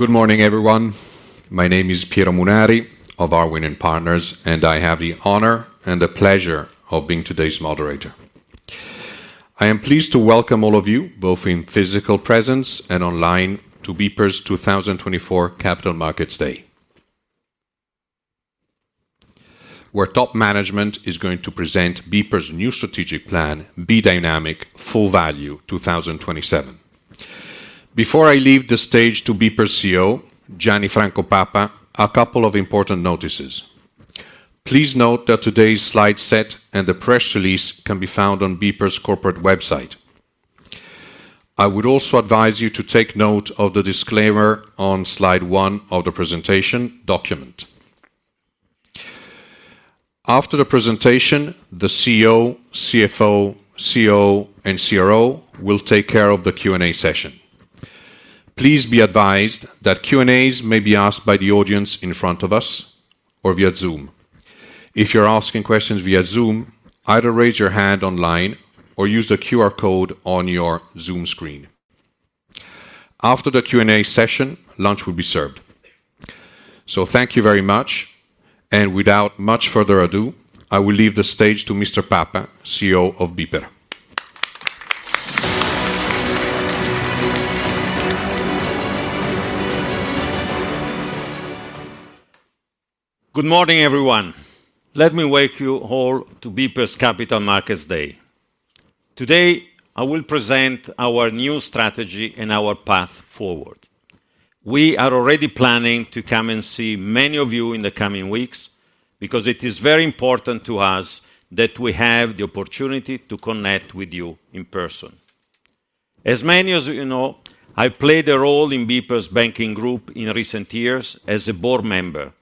Good morning, everyone. My name is Piero Munari of Arwin & Partners, and I have the honor and the pleasure of being today's moderator. I am pleased to welcome all of you, both in physical presence and online, to BPER's 2024 Capital Markets Day, where top management is going to present BPER's new strategic plan, B:Dynamic Full Value 2027. Before I leave the stage to BPER CEO Gianni Franco Papa, a couple of important notices. Please note that today's slide set and the press release can be found on BPER's corporate website. I would also advise you to take note of the disclaimer on slide one of the presentation document. After the presentation, the CEO, CFO, COO, and CRO will take care of the Q&A session. Please be advised that Q&As may be asked by the audience in front of us or via Zoom. If you're asking questions via Zoom, either raise your hand online or use the QR code on your Zoom screen. After the Q&A session, lunch will be served, so thank you very much, and without much further ado, I will leave the stage to Mr. Papa, CEO of BPER. Good morning, everyone. Let me welcome you all to BPER's Capital Markets Day. Today, I will present our new strategy and our path forward. We are already planning to come and see many of you in the coming weeks, because it is very important to us that we have the opportunity to connect with you in person. As many of you know, I played a role in BPER's banking group in recent years as a board member,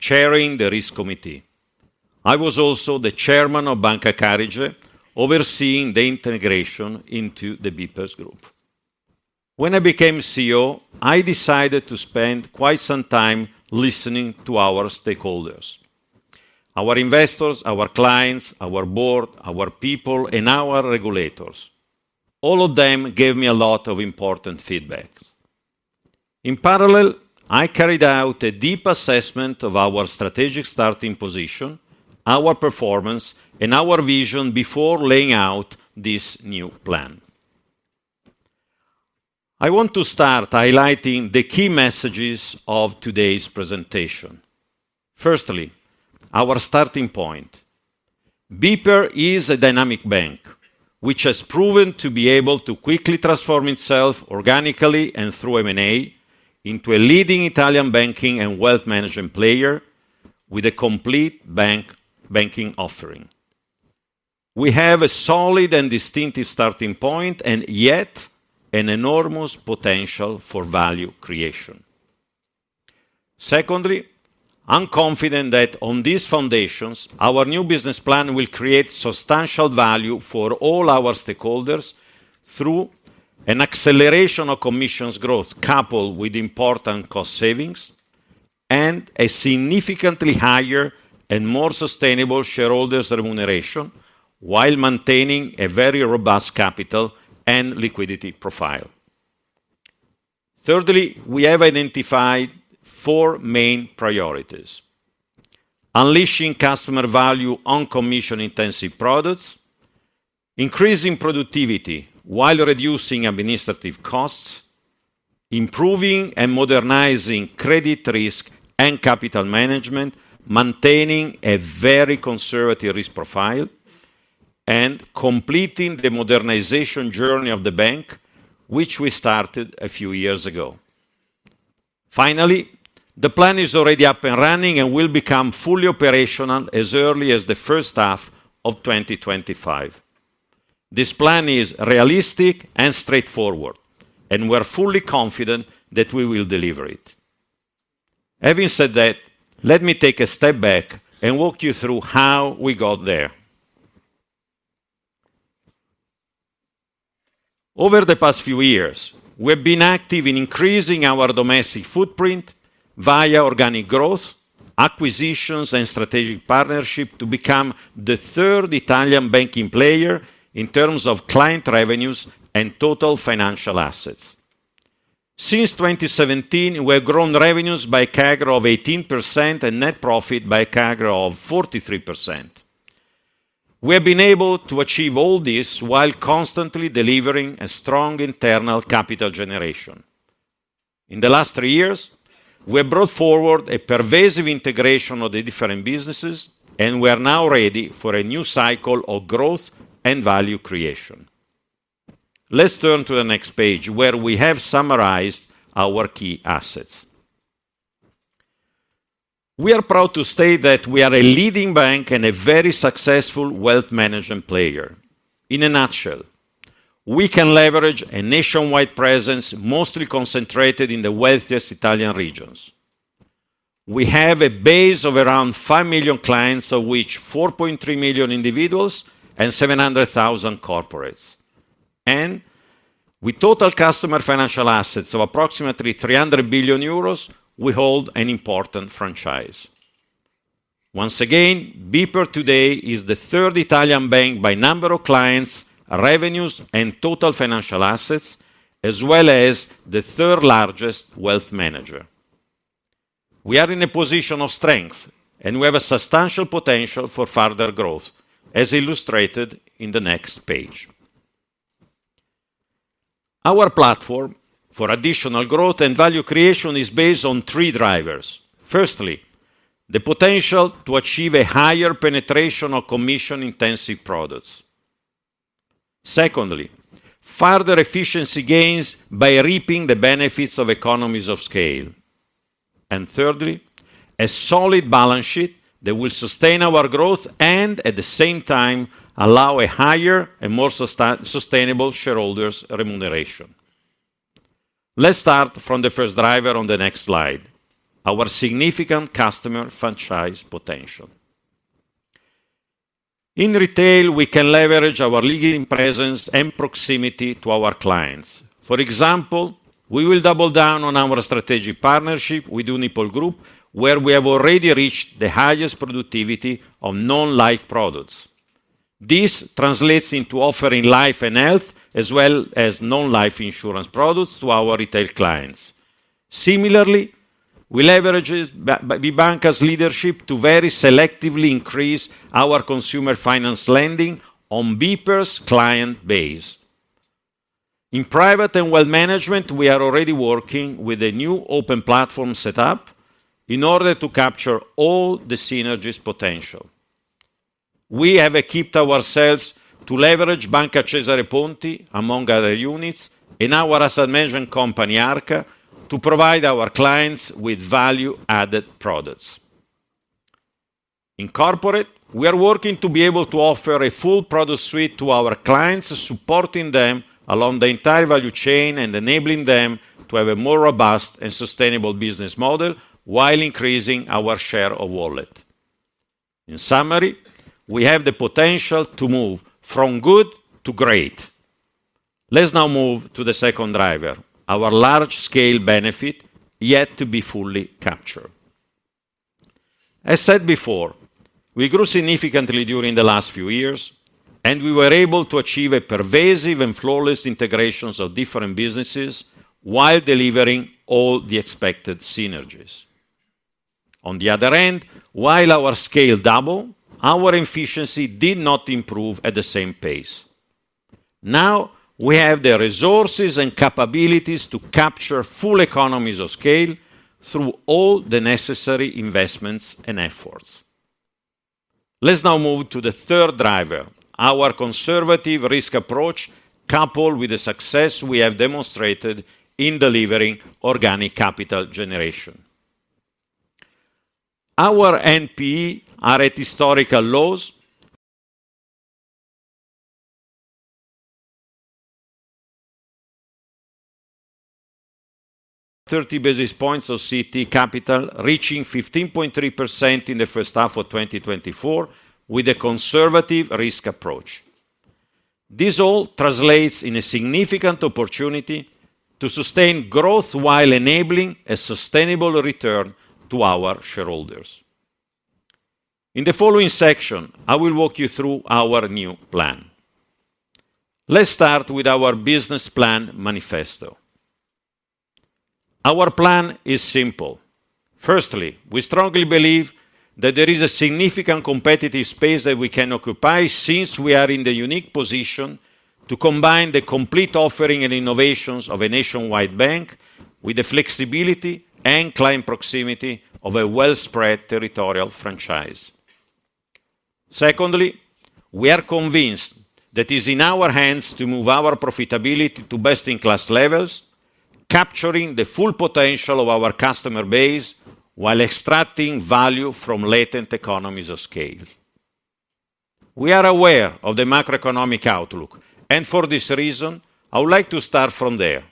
chairing the risk committee. I was also the Chairman of Banca Carige, overseeing the integration into the BPER's Group. When I became CEO, I decided to spend quite some time listening to our stakeholders: our investors, our clients, our board, our people, and our regulators. All of them gave me a lot of important feedback. In parallel, I carried out a deep assessment of our strategic starting position, our performance, and our vision before laying out this new plan. I want to start highlighting the key messages of today's presentation. Firstly, our starting point. BPER is a dynamic bank, which has proven to be able to quickly transform itself organically and through M&A into a leading Italian banking and wealth management player with a complete bank, banking offering. We have a solid and distinctive starting point, and yet an enormous potential for value creation. Secondly, I'm confident that on these foundations, our new business plan will create substantial value for all our stakeholders through an acceleration of commissions growth, coupled with important cost savings and a significantly higher and more sustainable shareholders' remuneration, while maintaining a very robust capital and liquidity profile. Thirdly, we have identified four main priorities: unleashing customer value on commission-intensive products, increasing productivity while reducing administrative costs, improving and modernizing credit risk and capital management, maintaining a very conservative risk profile, and completing the modernization journey of the bank, which we started a few years ago. Finally, the plan is already up and running and will become fully operational as early as the first half of 2025. This plan is realistic and straightforward, and we're fully confident that we will deliver it. Having said that, let me take a step back and walk you through how we got there. Over the past few years, we've been active in increasing our domestic footprint via organic growth, acquisitions, and strategic partnership to become the third Italian banking player in terms of client revenues and total financial assets. Since 2017, we have grown revenues by CAGR of 18% and net profit by CAGR of 43%. We have been able to achieve all this while constantly delivering a strong internal capital generation. In the last 3 years, we have brought forward a pervasive integration of the different businesses, and we are now ready for a new cycle of growth and value creation. Let's turn to the next page, where we have summarized our key assets. We are proud to state that we are a leading bank and a very successful wealth management player. In a nutshell, we can leverage a nationwide presence, mostly concentrated in the wealthiest Italian regions. We have a base of around 5 million clients, of which 4.3 million individuals and 700,000 corporates. And with total customer financial assets of approximately 300 billion euros, we hold an important franchise. Once again, BPER today is the third Italian bank by number of clients, revenues, and total financial assets, as well as the third largest wealth manager. We are in a position of strength, and we have a substantial potential for further growth, as illustrated in the next page. Our platform for additional growth and value creation is based on three drivers: firstly, the potential to achieve a higher penetration of commission-intensive products. Secondly, further efficiency gains by reaping the benefits of economies of scale. And thirdly, a solid balance sheet that will sustain our growth, and at the same time, allow a higher and more sustainable shareholders remuneration. Let's start from the first driver on the next slide, our significant customer franchise potential. In Retail, we can leverage our leading presence and proximity to our clients. For example, we will double down on our strategic partnership with Unipol Group, where we have already reached the highest productivity of non-life products. This translates into offering life and health, as well as non-life insurance products to our retail clients. Similarly, we leverage BPER Banca's leadership to very selectively increase our consumer finance lending on BPER's client base. In private and wealth management, we are already working with a new open platform setup in order to capture all the synergies potential. We have equipped ourselves to leverage Banca Cesare Ponti, among other units, in our asset management company, Arca, to provide our clients with value-added products. In Corporate, we are working to be able to offer a full product suite to our clients, supporting them along the entire value chain and enabling them to have a more robust and sustainable business model, while increasing our share of wallet. In summary, we have the potential to move from good to great. Let's now move to the second driver, our large-scale benefit, yet to be fully captured. As said before, we grew significantly during the last few years, and we were able to achieve a pervasive and flawless integration of different businesses while delivering all the expected synergies. On the other hand, while our scale doubled, our efficiency did not improve at the same pace. Now, we have the resources and capabilities to capture full economies of scale through all the necessary investments and efforts. Let's now move to the third driver, our conservative risk approach, coupled with the success we have demonstrated in delivering organic capital generation. Our NPE are at historical lows. Thirty basis points of CET1 capital, reaching 15.3% in the first half of 2024, with a conservative risk approach. This all translates in a significant opportunity to sustain growth while enabling a sustainable return to our shareholders. In the following section, I will walk you through our new plan. Let's start with our business plan manifesto. Our plan is simple. Firstly, we strongly believe that there is a significant competitive space that we can occupy, since we are in the unique position to combine the complete offering and innovations of a nationwide bank with the flexibility and client proximity of a well-spread territorial franchise. Secondly, we are convinced that it's in our hands to move our profitability to best-in-class levels, capturing the full potential of our customer base while extracting value from latent economies of scale. We are aware of the macroeconomic outlook, and for this reason, I would like to start from there.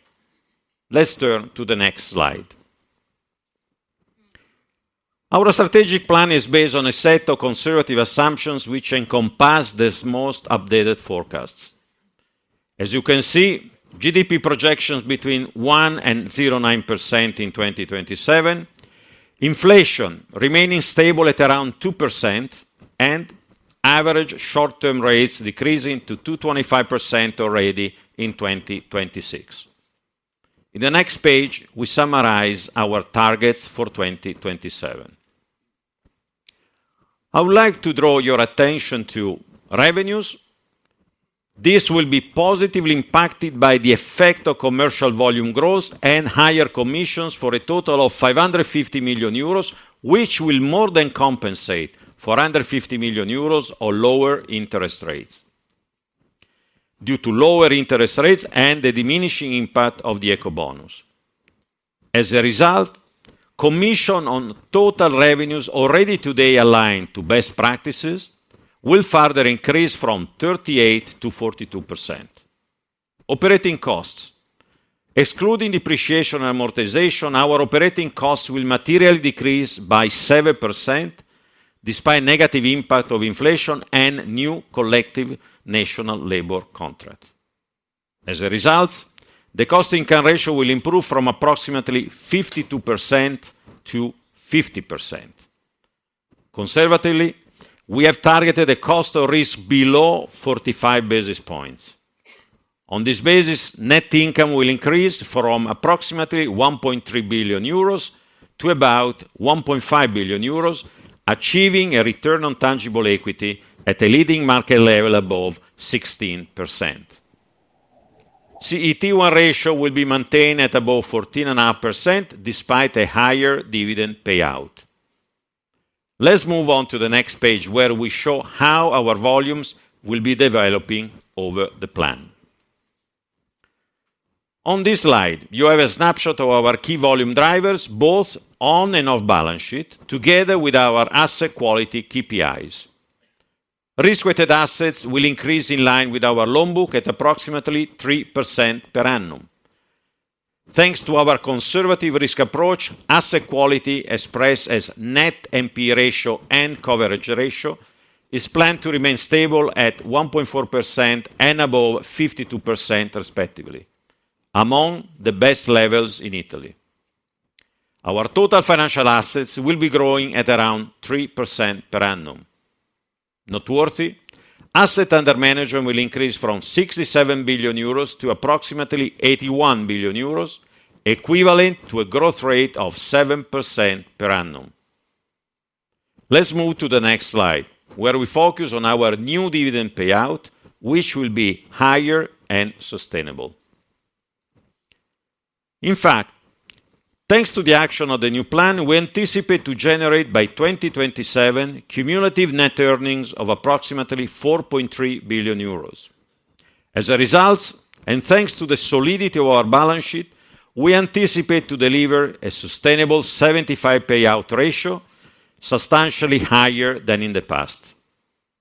Let's turn to the next slide. Our strategic plan is based on a set of conservative assumptions, which encompass these most updated forecasts. As you can see, GDP projections between 1% and 0.9% in 2027, inflation remaining stable at around 2%, and average short-term rates decreasing to 2.25% already in 2026. In the next page, we summarize our targets for 2027. I would like to draw your attention to revenues. This will be positively impacted by the effect of commercial volume growth and higher commissions for a total of 550 million euros, which will more than compensate for under 50 million euros or lower interest rates, due to lower interest rates and the diminishing impact of the Ecobonus. As a result, commission on total revenues already today aligned to best practices, will further increase from 38%-42%. Operating costs excluding depreciation and amortization, our operating costs will materially decrease by 7%, despite negative impact of inflation and new collective national labor contract. As a result, the cost income ratio will improve from approximately 52%-50%. Conservatively, we have targeted a cost of risk below 45 basis points. On this basis, net income will increase from approximately 1.3 billion euros to about 1.5 billion euros, achieving a return on tangible equity at a leading market level above 16%. CET1 ratio will be maintained at above 14.5%, despite a higher dividend payout. Let's move on to the next page, where we show how our volumes will be developing over the plan. On this slide, you have a snapshot of our key volume drivers, both on and off balance sheet, together with our asset quality KPIs. Risk-weighted assets will increase in line with our loan book at approximately 3% per annum. Thanks to our conservative risk approach, asset quality, expressed as net NPE ratio and coverage ratio, is planned to remain stable at 1.4% and above 52% respectively, among the best levels in Italy. Our total financial assets will be growing at around 3% per annum. Noteworthy, asset under management will increase from 67 billion euros to approximately 81 billion euros, equivalent to a growth rate of 7% per annum. Let's move to the next slide, where we focus on our new dividend payout, which will be higher and sustainable. In fact, thanks to the action of the new plan, we anticipate to generate by 2027 cumulative net earnings of approximately 4.3 billion euros. As a result, and thanks to the solidity of our balance sheet, we anticipate to deliver a sustainable 75% payout ratio, substantially higher than in the past.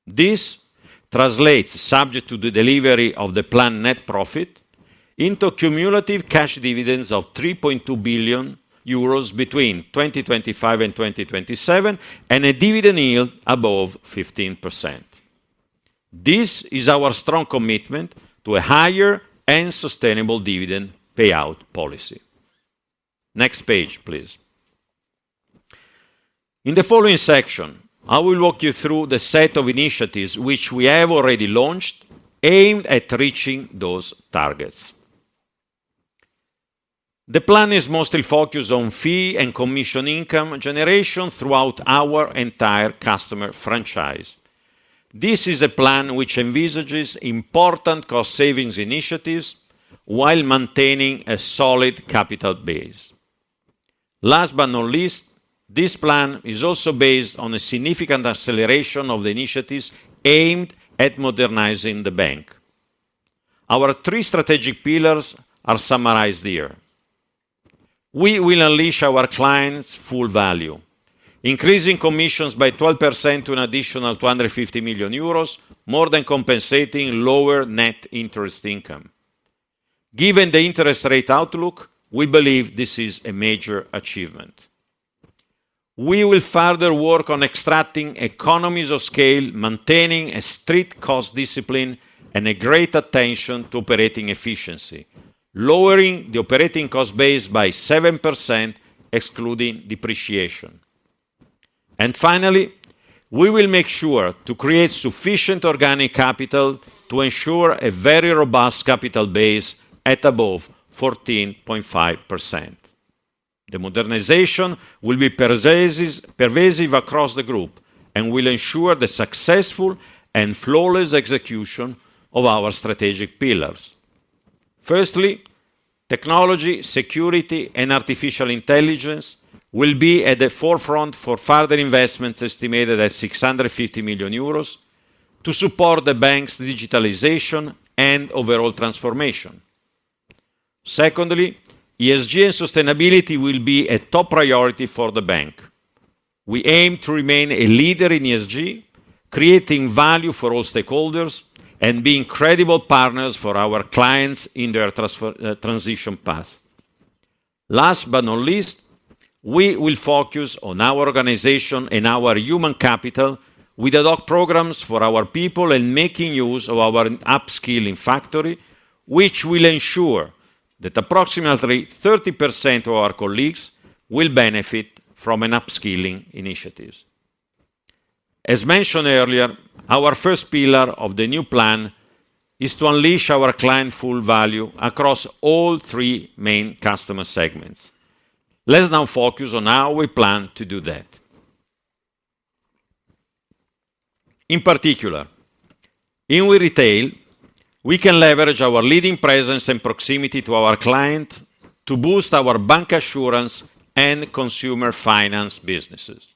This translates, subject to the delivery of the planned net profit, into cumulative cash dividends of 3.2 billion euros between 2025 and 2027, and a dividend yield above 15%. This is our strong commitment to a higher and sustainable dividend payout policy. Next page, please. In the following section, I will walk you through the set of initiatives which we have already launched, aimed at reaching those targets. The plan is mostly focused on fee and commission income generation throughout our entire customer franchise. This is a plan which envisages important cost savings initiatives while maintaining a solid capital base. Last but not least, this plan is also based on a significant acceleration of the initiatives aimed at modernizing the bank. Our three strategic pillars are summarized here. We will unleash our clients' full value, increasing commissions by 12% to an additional 250 million euros, more than compensating lower net interest income. Given the interest rate outlook, we believe this is a major achievement. We will further work on extracting economies of scale, maintaining a strict cost discipline and a great attention to operating efficiency, lowering the operating cost base by 7%, excluding depreciation, and finally, we will make sure to create sufficient organic capital to ensure a very robust capital base at above 14.5%. The modernization will be pervasive across the group and will ensure the successful and flawless execution of our strategic pillars. Firstly, technology, security, and artificial intelligence will be at the forefront for further investments, estimated at 650 million euros, to support the bank's digitalization and overall transformation. Secondly, ESG and sustainability will be a top priority for the bank. We aim to remain a leader in ESG, creating value for all stakeholders and being credible partners for our clients in their transition path. Last but not least, we will focus on our organization and our human capital with ad hoc programs for our people and making use of our upskilling factory, which will ensure that approximately 30% of our colleagues will benefit from an upskilling initiatives. As mentioned earlier, our first pillar of the new plan is to unleash our client full value across all three main Customer segments. Let's now focus on how we plan to do that. In particular, in Retail, we can leverage our leading presence and proximity to our client to boost our Bancassurance and Consumer Finance businesses.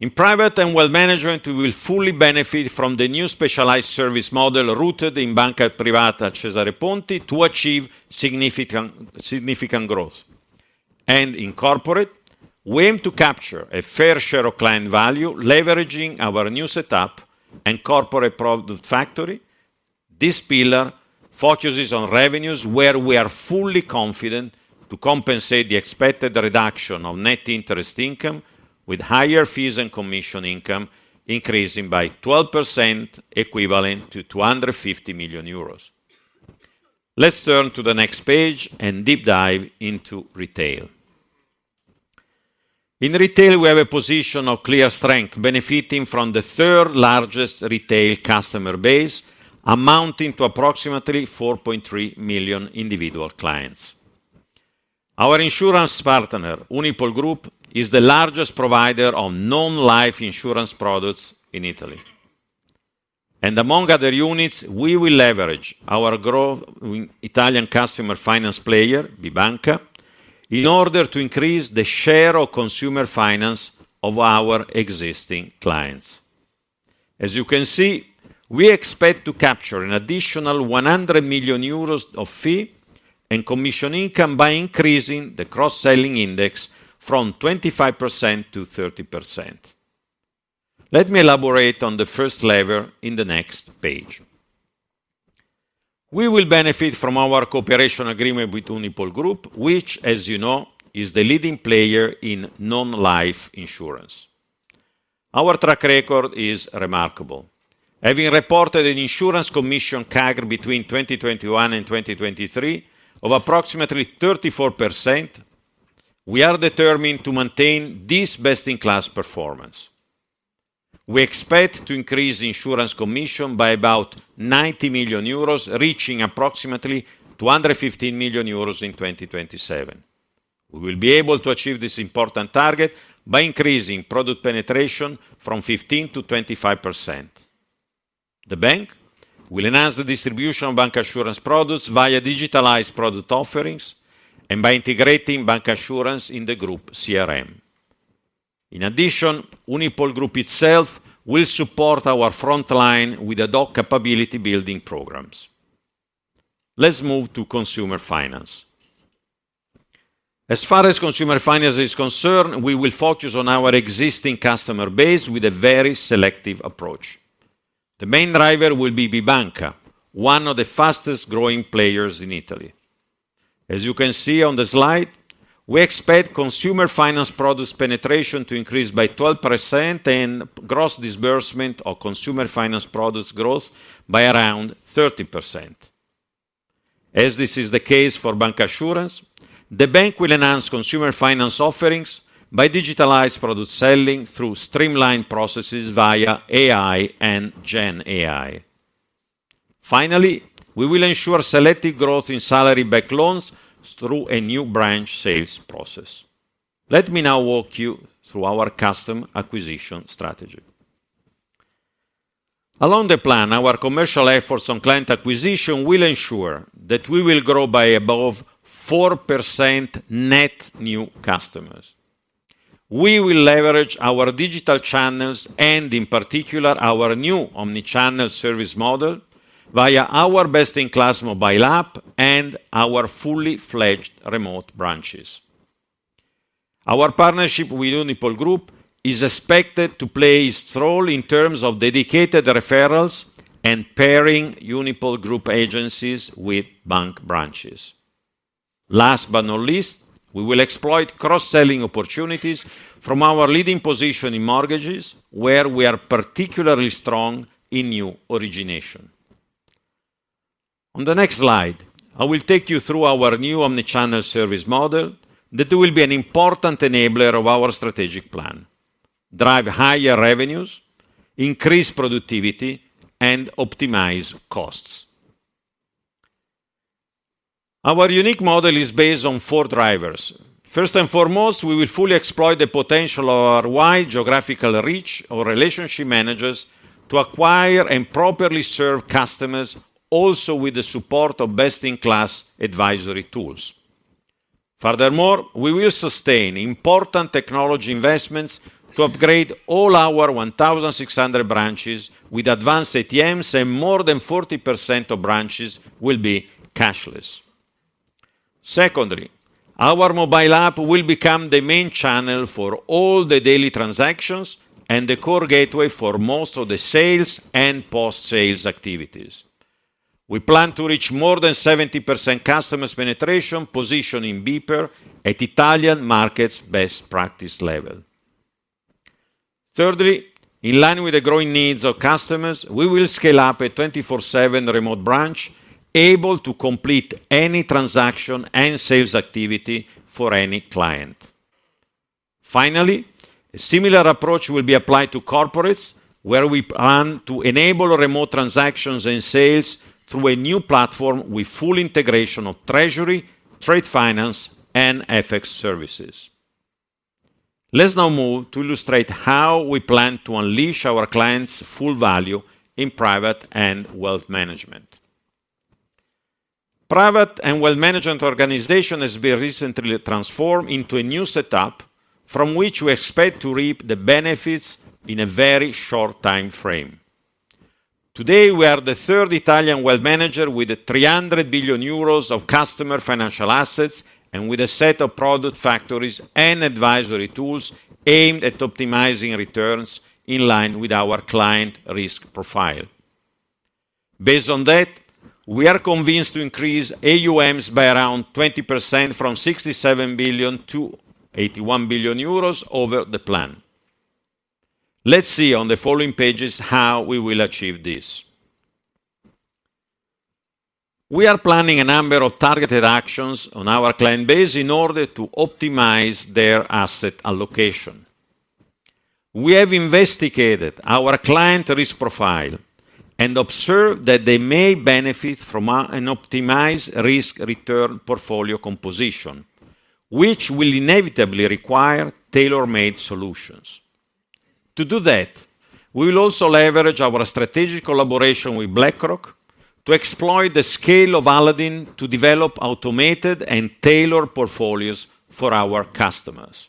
In Private and Wealth Management, we will fully benefit from the new specialized service model rooted in Banca Privata Cesare Ponti to achieve significant, significant growth. In Corporate, we aim to capture a fair share of client value, leveraging our new setup and corporate product factory. This pillar focuses on revenues, where we are fully confident to compensate the expected reduction of net interest income with higher fees and commission income increasing by 12%, equivalent to 250 million euros. Let's turn to the next page and deep dive into Retail. In Retail, we have a position of clear strength, benefiting from the third-largest retail customer base, amounting to approximately 4.3 million individual clients. Our insurance partner, Unipol Group, is the largest provider of non-life insurance products in Italy, and among other units, we will leverage our growth in Italian customer finance player, Bibanca, in order to increase the share of Consumer Finance of our existing clients. As you can see, we expect to capture an additional 100 million euros of fee and commission income by increasing the cross-selling index from 25%-30%. Let me elaborate on the first level in the next page. We will benefit from our cooperation agreement with Unipol Group, which, as you know, is the leading player in non-life insurance. Our track record is remarkable. Having reported an insurance commission CAGR between 2021 and 2023 of approximately 34%, we are determined to maintain this best-in-class performance. We expect to increase insurance commission by about 90 million euros reaching approximately 215 million euros in 2027. We will be able to achieve this important target by increasing product penetration from 15%-25%. The bank will enhance the distribution of Bancassurance products via digitalized product offerings and by integrating Bancassurance in the group CRM. In addition, Unipol Group itself will support our frontline with ad hoc capability-building programs. Let's move to Consumer Finance. As far as Consumer Finance is concerned, we will focus on our existing customer base with a very selective approach. The main driver will be Bibanca, one of the fastest-growing players in Italy. As you can see on the slide, we expect Consumer Finance products penetration to increase by 12% and gross disbursement of Consumer Finance products growth by around 30%. As this is the case for Bancassurance, the bank will enhance Consumer Finance offerings by digitalized product selling through streamlined processes via AI and GenAI. Finally, we will ensure selective growth in salary-backed loans through a new branch sales process. Let me now walk you through our customer acquisition strategy. Along the plan, our commercial efforts on client acquisition will ensure that we will grow by above 4% net new customers. We will leverage our digital channels, and in particular, our new omnichannel service model, via our best-in-class mobile app and our fully fledged remote branches. Our partnership with Unipol Group is expected to play its role in terms of dedicated referrals and pairing Unipol Group agencies with bank branches. Last but not least, we will exploit cross-selling opportunities from our leading position in mortgages, where we are particularly strong in new origination. On the next slide, I will take you through our new omnichannel service model that will be an important enabler of our strategic plan, drive higher revenues, increase productivity, and optimize costs. Our unique model is based on four drivers. First and foremost, we will fully exploit the potential of our wide geographical reach of relationship managers to acquire and properly serve customers, also with the support of best-in-class advisory tools. Furthermore, we will sustain important technology investments to upgrade all our 1,600 branches with advanced ATMs, and more than 40% of branches will be cashless. Secondly, our mobile app will become the main channel for all the daily transactions and the core gateway for most of the sales and post-sales activities. We plan to reach more than 70% customers' penetration, positioning BPER at Italian markets' best practice level. Thirdly, in line with the growing needs of customers, we will scale up a 24/7 remote branch, able to complete any transaction and sales activity for any client. Finally, a similar approach will be applied to corporates, where we plan to enable remote transactions and sales through a new platform with full integration of treasury, trade finance, and FX services. Let's now move to illustrate how we plan to unleash our clients' full value in Private and Wealth Management. Private and Wealth Management organization has been recently transformed into a new setup, from which we expect to reap the benefits in a very short time frame. Today, we are the third Italian wealth manager with 300 billion euros of customer financial assets and with a set of product factories and advisory tools aimed at optimizing returns in line with our client risk profile. Based on that, we are convinced to increase AUMs by around 20% from 67 billion-81 billion euros over the plan. Let's see on the following pages how we will achieve this. We are planning a number of targeted actions on our client base in order to optimize their asset allocation. We have investigated our client risk profile and observed that they may benefit from an optimized risk-return portfolio composition, which will inevitably require tailor-made solutions. To do that, we will also leverage our strategic collaboration with BlackRock to exploit the scale of Aladdin to develop automated and tailored portfolios for our customers.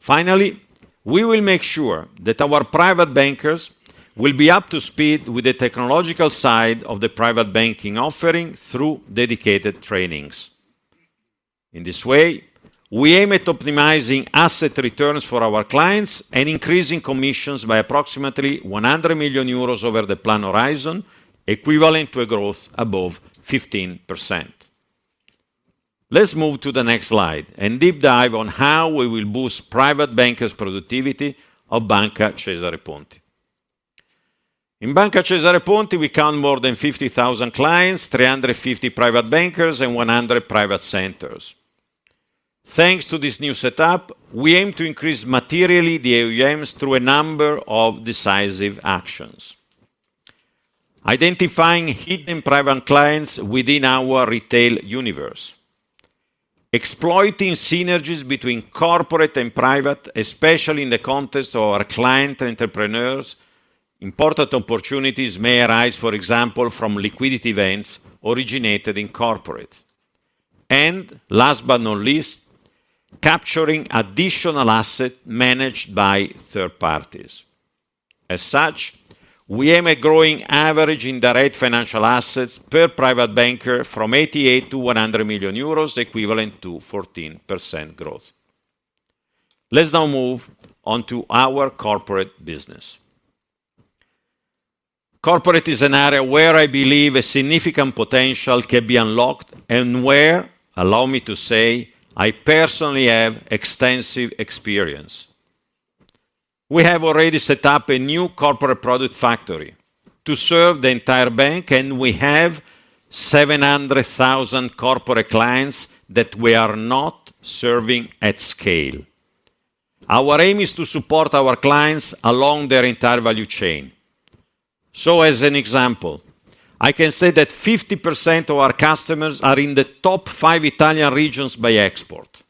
Finally, we will make sure that our private bankers will be up to speed with the technological side of the private banking offering through dedicated trainings. In this way, we aim at optimizing asset returns for our clients and increasing commissions by approximately 100 million euros over the plan horizon, equivalent to a growth above 15%. Let's move to the next slide and deep dive on how we will boost private bankers' productivity of Banca Cesare Ponti. In Banca Cesare Ponti, we count more than 50,000 clients, 350 private bankers, and 100 private centers. Thanks to this new setup, we aim to increase materially the AUMs through a number of decisive actions: identifying hidden private clients within our retail universe, exploiting synergies between corporate and private, especially in the context of our client entrepreneurs. Important opportunities may arise, for example, from liquidity events originated in corporate, and last but not least, capturing additional assets managed by third parties. As such, we aim at growing average indirect financial assets per private banker from 88 million-100 million euros equivalent to 14% growth. Let's now move on to our Corporate business. Corporate is an area where I believe a significant potential can be unlocked and where, allow me to say, I personally have extensive experience. We have already set up a new Corporate product factory to serve the entire bank, and we have 700,000 Corporate clients that we are not serving at scale. Our aim is to support our clients along their entire value chain. So as an example, I can say that 50% of our customers are in the top five Italian regions by export.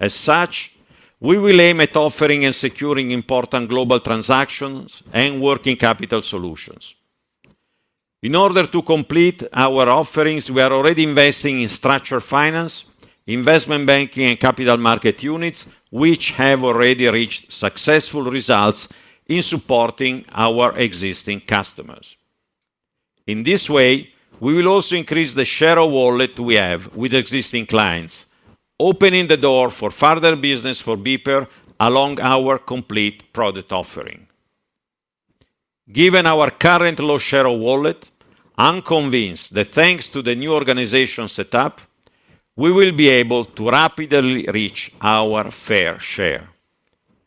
As such, we will aim at offering and securing important global transactions and working capital solutions. In order to complete our offerings, we are already investing in structured finance, investment banking, and capital market units, which have already reached successful results in supporting our existing customers. In this way, we will also increase the share of wallet we have with existing clients, opening the door for further business for BPER along our complete product offering. Given our current low share of wallet, I'm convinced that thanks to the new organization setup, we will be able to rapidly reach our fair share,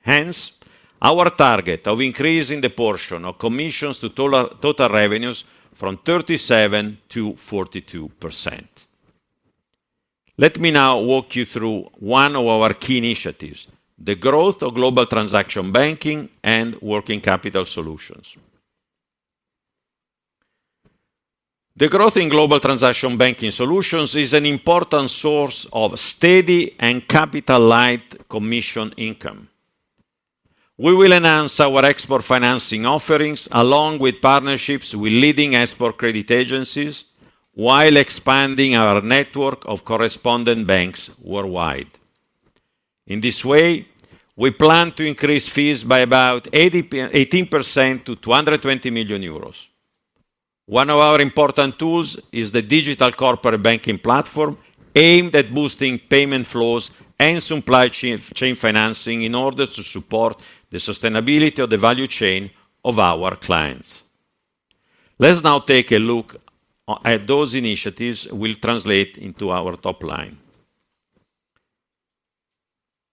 hence, our target of increasing the portion of commissions to total revenues from 37%-42%. Let me now walk you through one of our key initiatives, the growth of global transaction banking and working capital solutions. The growth in global transaction banking solutions is an important source of steady and capital-light commission income. We will announce our export financing offerings, along with partnerships with leading export credit agencies, while expanding our network of correspondent banks worldwide. In this way, we plan to increase fees by about 18% to 220 million euros. One of our important tools is the digital corporate banking platform, aimed at boosting payment flows and supply chain financing in order to support the sustainability of the value chain of our clients. Let's now take a look at those initiatives will translate into our top line.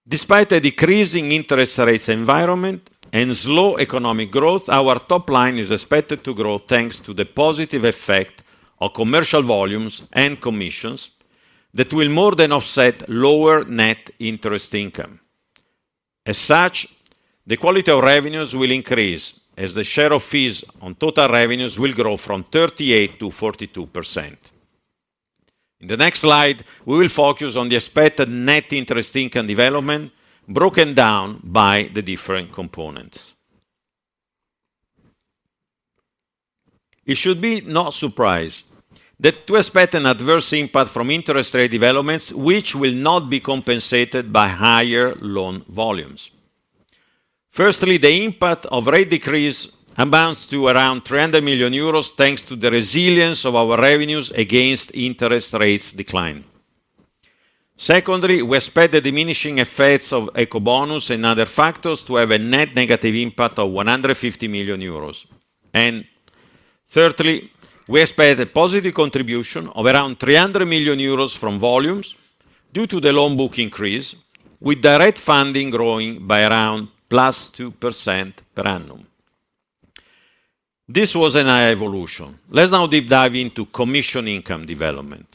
Despite a decreasing interest rates environment and slow economic growth, our top line is expected to grow thanks to the positive effect of commercial volumes and commissions that will more than offset lower net interest income. As such, the quality of revenues will increase, as the share of fees on total revenues will grow from 38%-42%. In the next slide, we will focus on the expected net interest income development, broken down by the different components. You should be not surprised that to expect an adverse impact from interest rate developments, which will not be compensated by higher loan volumes. Firstly, the impact of rate decrease amounts to around 300 million euros, thanks to the resilience of our revenues against interest rates decline. Secondly, we expect the diminishing effects of Ecobonus and other factors to have a net negative impact of 150 million euros. And thirdly, we expect a positive contribution of around 300 million euros from volumes due to the loan book increase, with direct funding growing by around plus 2% per annum. This was an evolution. Let's now deep dive into commission income development.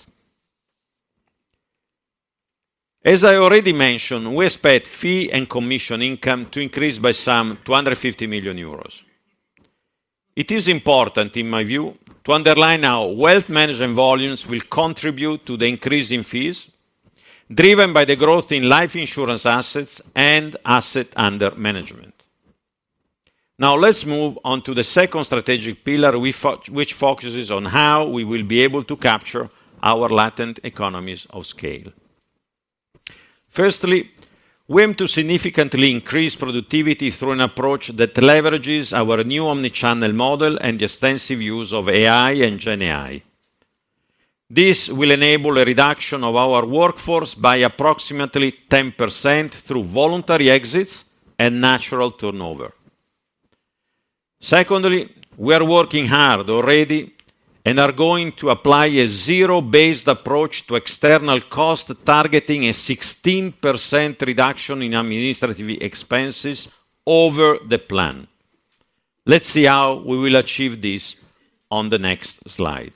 As I already mentioned, we expect fee and commission income to increase by some 250 million euros. It is important, in my view, to underline how Wealth Management volumes will contribute to the increase in fees, driven by the growth in life insurance assets and asset under management. Now, let's move on to the second strategic pillar which focuses on how we will be able to capture our latent economies of scale. Firstly, we aim to significantly increase productivity through an approach that leverages our new omnichannel model and the extensive use of AI and GenAI. This will enable a reduction of our workforce by approximately 10% through voluntary exits and natural turnover. Secondly, we are working hard already and are going to apply a zero-based approach to external cost, targeting a 16% reduction in administrative expenses over the plan. Let's see how we will achieve this on the next slide.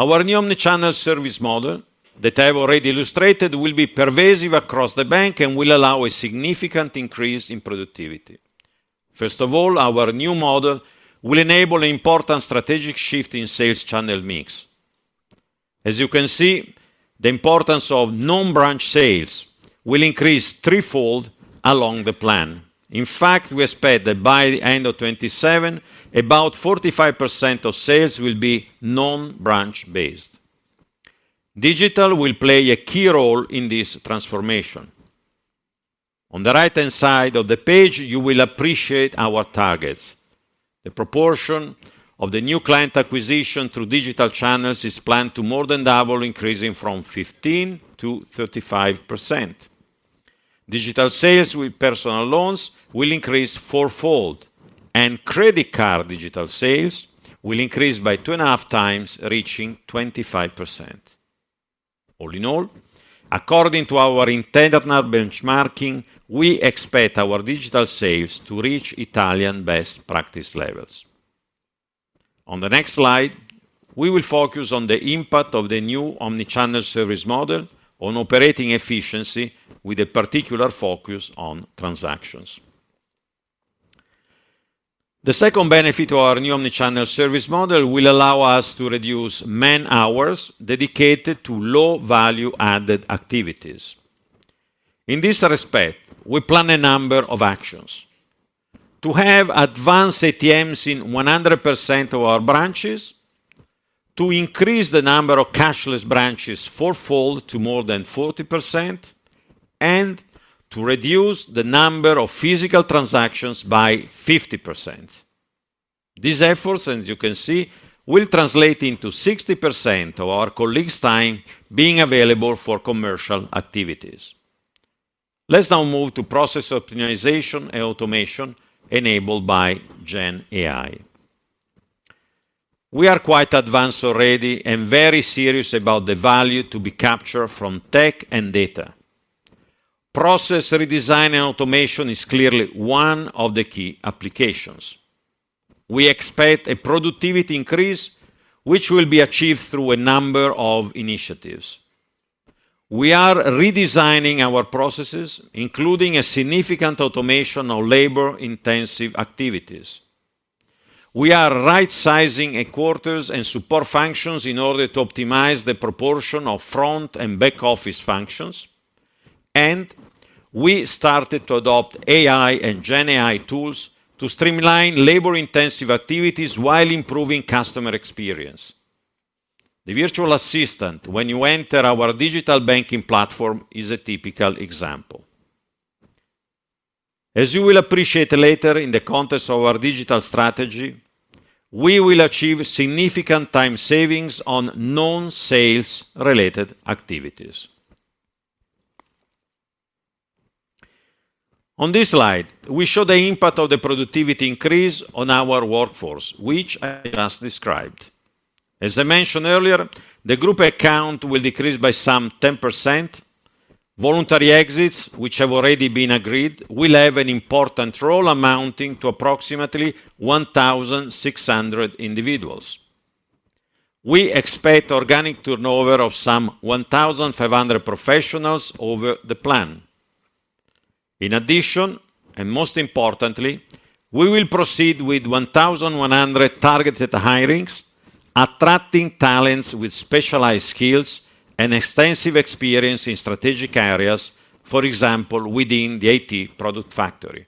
Our new omnichannel service model, that I've already illustrated, will be pervasive across the bank and will allow a significant increase in productivity. First of all, our new model will enable important strategic shift in sales channel mix. As you can see, the importance of non-branch sales will increase threefold along the plan. In fact, we expect that by the end of 2027, about 45% of sales will be non-branch based. Digital will play a key role in this transformation. On the right-hand side of the page, you will appreciate our targets. The proportion of the new client acquisition through digital channels is planned to more than double, increasing from 15%-35%. Digital sales with personal loans will increase fourfold, and credit card digital sales will increase by two and a half times, reaching 25%. All in all, according to our internal benchmarking, we expect our digital sales to reach Italian best practice levels. On the next slide, we will focus on the impact of the new omni-channel service model on operating efficiency, with a particular focus on transactions. The second benefit to our new omni-channel service model will allow us to reduce man-hours dedicated to low value-added activities. In this respect, we plan a number of actions: to have advanced ATMs in 100% of our branches, to increase the number of cashless branches fourfold to more than 40%, and to reduce the number of physical transactions by 50%. These efforts, as you can see, will translate into 60% of our colleagues' time being available for commercial activities. Let's now move to process optimization and automation enabled by GenAI. We are quite advanced already and very serious about the value to be captured from tech and data. Process redesign and automation is clearly one of the key applications. We expect a productivity increase, which will be achieved through a number of initiatives. We are redesigning our processes, including a significant automation of labor-intensive activities. We are right-sizing headquarters and support functions in order to optimize the proportion of front and back office functions, and we started to adopt AI and GenAI tools to streamline labor-intensive activities while improving customer experience. The virtual assistant, when you enter our digital banking platform, is a typical example. As you will appreciate later in the context of our digital strategy, we will achieve significant time savings on non-sales related activities. On this slide, we show the impact of the productivity increase on our workforce, which I just described. As I mentioned earlier, the group account will decrease by some 10%. Voluntary exits, which have already been agreed, will have an important role, amounting to approximately 1,600 individuals. We expect organic turnover of some 1,500 professionals over the plan. In addition, and most importantly, we will proceed with 1,100 targeted hirings, attracting talents with specialized skills and extensive experience in strategic areas, for example, within the IT product factory.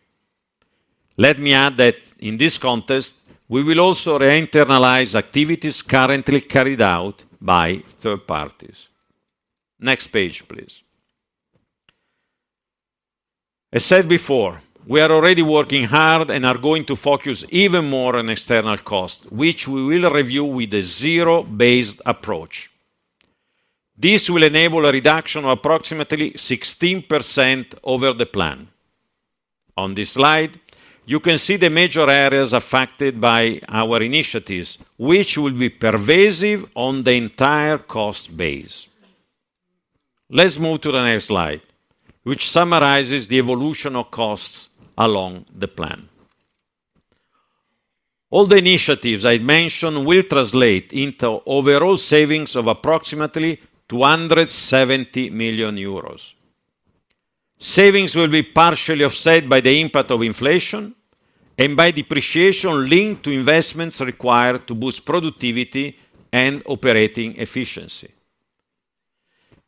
Let me add that in this context, we will also re-internalize activities currently carried out by third parties. Next page, please. I said before, we are already working hard and are going to focus even more on external costs, which we will review with a zero-based approach. This will enable a reduction of approximately 16% over the plan. On this slide, you can see the major areas affected by our initiatives, which will be pervasive on the entire cost base. Let's move to the next slide, which summarizes the evolution of costs along the plan. All the initiatives I mentioned will translate into overall savings of approximately 270 million euros. Savings will be partially offset by the impact of inflation and by depreciation linked to investments required to boost productivity and operating efficiency.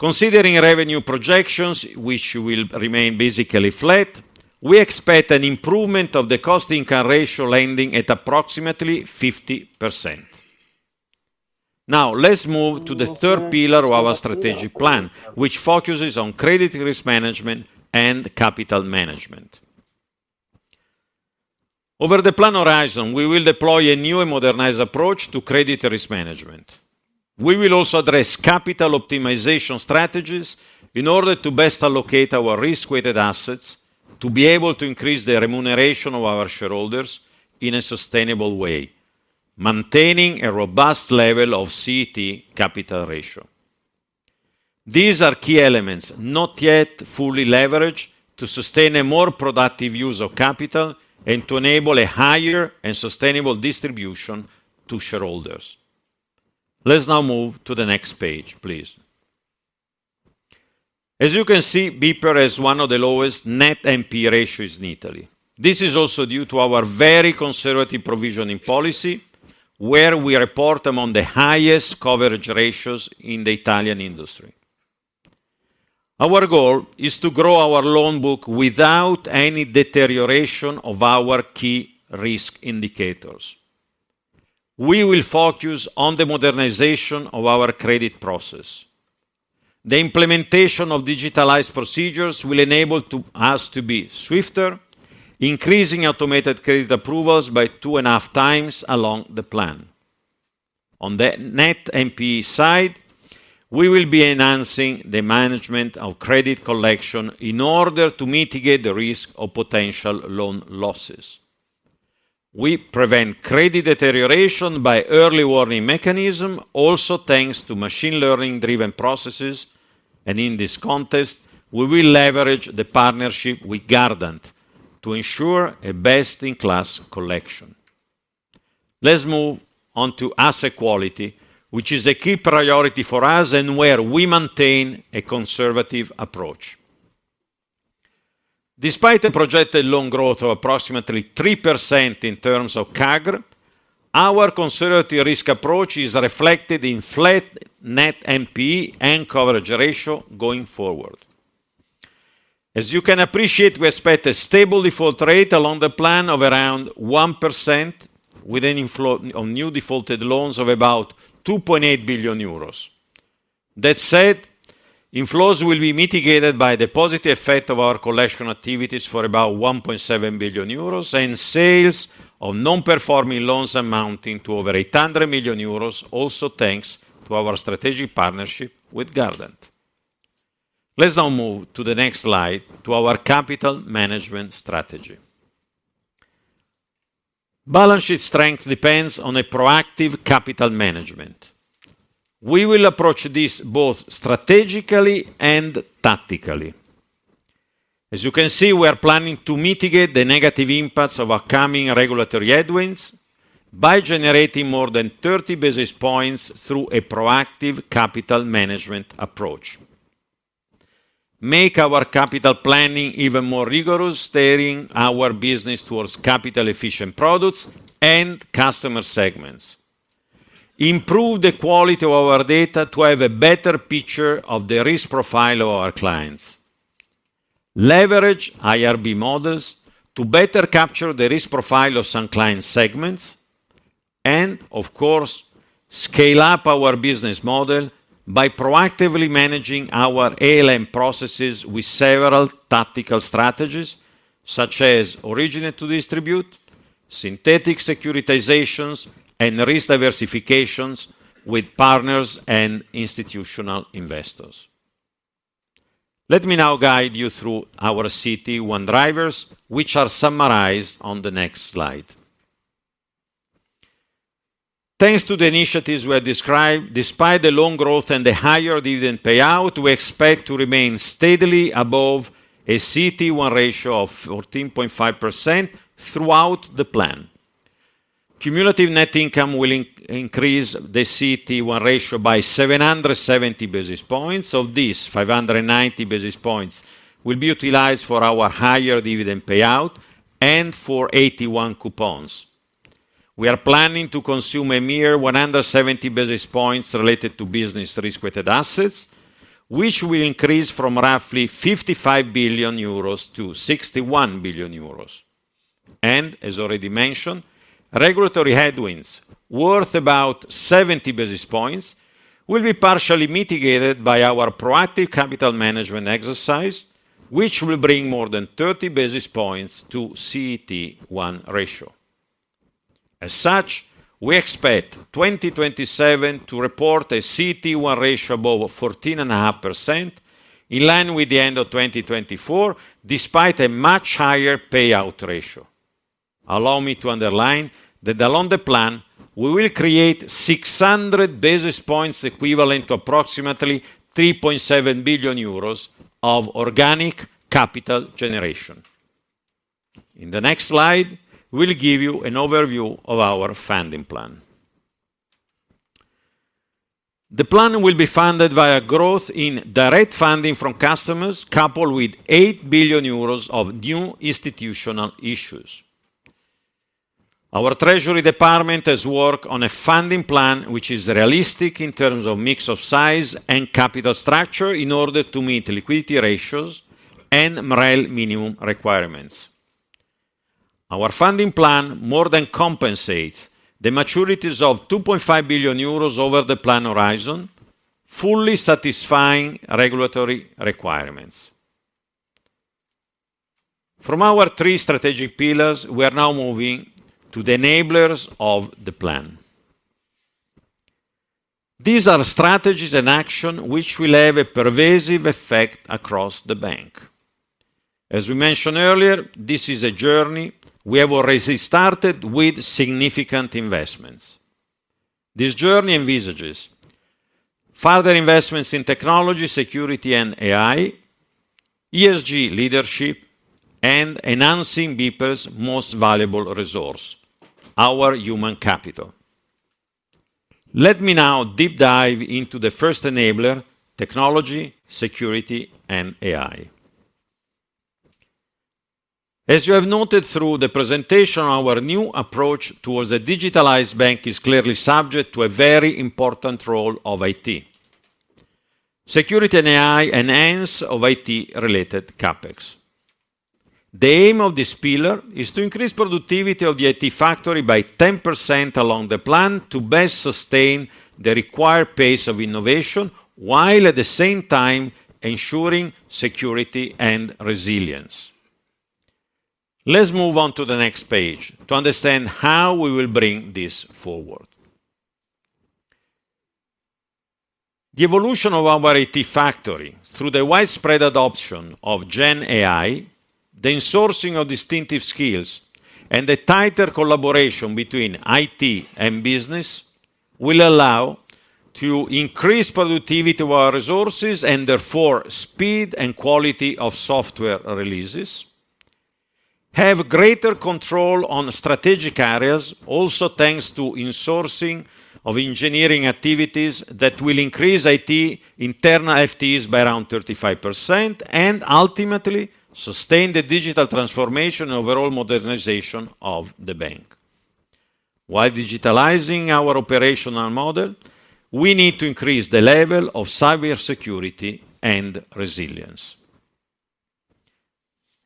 Considering revenue projections, which will remain basically flat, we expect an improvement of the cost-income ratio landing at approximately 50%. Now, let's move to the third pillar of our strategic plan, which focuses on credit risk management and capital management. Over the plan horizon, we will deploy a new and modernized approach to credit risk management. We will also address capital optimization strategies in order to best allocate our risk-weighted assets, to be able to increase the remuneration of our shareholders in a sustainable way, maintaining a robust level of CET1 capital ratio. These are key elements, not yet fully leveraged, to sustain a more productive use of capital and to enable a higher and sustainable distribution to shareholders. Let's now move to the next page, please. As you can see, BPER has one of the lowest net NPE ratios in Italy. This is also due to our very conservative provisioning policy, where we report among the highest coverage ratios in the Italian industry. Our goal is to grow our loan book without any deterioration of our key risk indicators. We will focus on the modernization of our credit process. The implementation of digitalized procedures will enable us to be swifter, increasing automated credit approvals by two and a half times along the plan. On the net NPE side, we will be enhancing the management of credit collection in order to mitigate the risk of potential loan losses. We prevent credit deterioration by early warning mechanism, also thanks to machine learning-driven processes, and in this context, we will leverage the partnership with Gardant to ensure a best-in-class collection. Let's move on to asset quality, which is a key priority for us and where we maintain a conservative approach. Despite a projected loan growth of approximately 3% in terms of CAGR, our conservative risk approach is reflected in flat net NPE and coverage ratio going forward. As you can appreciate, we expect a stable default rate along the plan of around 1%, with an inflow on new defaulted loans of about 2.8 billion euros. That said, inflows will be mitigated by the positive effect of our collection activities for about 1.7 billion euros, and sales of non-performing loans amounting to over 800 million euros, also thanks to our strategic partnership with Gardant. Let's now move to the next slide, to our capital management strategy. Balance sheet strength depends on a proactive capital management. We will approach this both strategically and tactically. As you can see, we are planning to mitigate the negative impacts of upcoming regulatory headwinds by generating more than 30 basis points through a proactive capital management approach, make our capital planning even more rigorous, steering our business towards capital-efficient products and Customer segments, improve the quality of our data to have a better picture of the risk profile of our clients, leverage IRB models to better capture the risk profile of some Client segments, and of course, scale up our business model by proactively managing our ALM processes with several tactical strategies, such as originate to distribute, synthetic securitizations, and risk diversifications with partners and institutional investors. Let me now guide you through our CET1 drivers, which are summarized on the next slide. Thanks to the initiatives we have described, despite the loan growth and the higher dividend payout, we expect to remain steadily above a CET1 ratio of 14.5% throughout the plan. Cumulative net income will increase the CET1 ratio by 770 basis points. Of this, 590 basis points will be utilized for our higher dividend payout and for AT1 coupons. We are planning to consume a mere 170 basis points related to business risk-weighted assets, which will increase from roughly 55 billion-61 billion euros, and as already mentioned, regulatory headwinds worth about 70 basis points will be partially mitigated by our proactive capital management exercise, which will bring more than 30 basis points to CET1 ratio. As such, we expect 2027 to report a CET1 ratio above 14.5%, in line with the end of 2024, despite a much higher payout ratio. Allow me to underline that along the plan, we will create 600 basis points, equivalent to approximately 3.7 billion euros of organic capital generation. In the next slide, we'll give you an overview of our funding plan. The plan will be funded via growth in direct funding from customers, coupled with 8 billion euros of new institutional issues. Our Treasury department has worked on a funding plan, which is realistic in terms of mix of size and capital structure, in order to meet liquidity ratios and MREL minimum requirements. Our funding plan more than compensates the maturities of 2.5 billion euros over the plan horizon, fully satisfying regulatory requirements. From our three strategic pillars, we are now moving to the enablers of the plan. These are strategies and actions which will have a pervasive effect across the bank. As we mentioned earlier, this is a journey we have already started with significant investments. This journey envisions further investments in technology, security, and AI, ESG leadership, and enhancing BPER's most valuable resource, our human capital. Let me now deep dive into the first enabler: technology, security, and AI. As you have noted through the presentation, our new approach towards a digitalized bank is clearly subject to a very important role of IT. Security and AI enhancement of IT-related CapEx. The aim of this pillar is to increase productivity of the IT factory by 10% along the plan to best sustain the required pace of innovation, while at the same time ensuring security and resilience. Let's move on to the next page to understand how we will bring this forward. The evolution of our IT factory through the widespread adoption of GenAI, the insourcing of distinctive skills, and the tighter collaboration between IT and business, will allow to increase productivity of our resources, and therefore speed and quality of software releases, have greater control on strategic areas, also thanks to insourcing of engineering activities that will increase IT internal FTEs by around 35%, and ultimately, sustain the digital transformation overall modernization of the bank. While digitalizing our operational model, we need to increase the level of cybersecurity and resilience.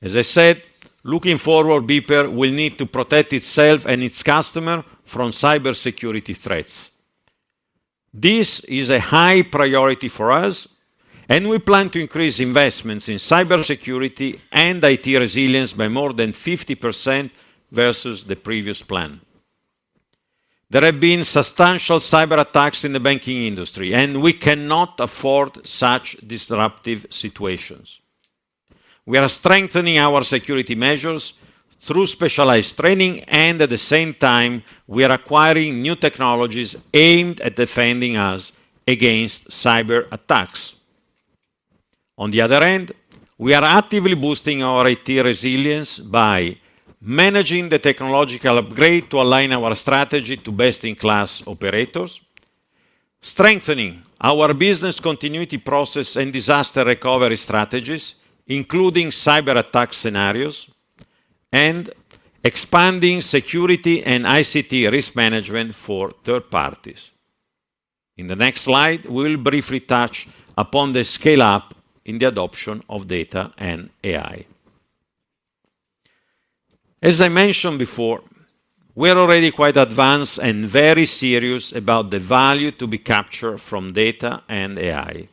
As I said, looking forward, BPER will need to protect itself and its customer from cybersecurity threats. This is a high priority for us, and we plan to increase investments in cybersecurity and IT resilience by more than 50% versus the previous plan. There have been substantial cyberattacks in the banking industry, and we cannot afford such disruptive situations. We are strengthening our security measures through specialized training, and at the same time, we are acquiring new technologies aimed at defending us against cyberattacks. On the other end, we are actively boosting our IT resilience by managing the technological upgrade to align our strategy to best-in-class operators, strengthening our business continuity process and disaster recovery strategies, including cyberattack scenarios, and expanding security and ICT risk management for third parties. In the next slide, we will briefly touch upon the scale-up in the adoption of data and AI. As I mentioned before, we are already quite advanced and very serious about the value to be captured from data and AI.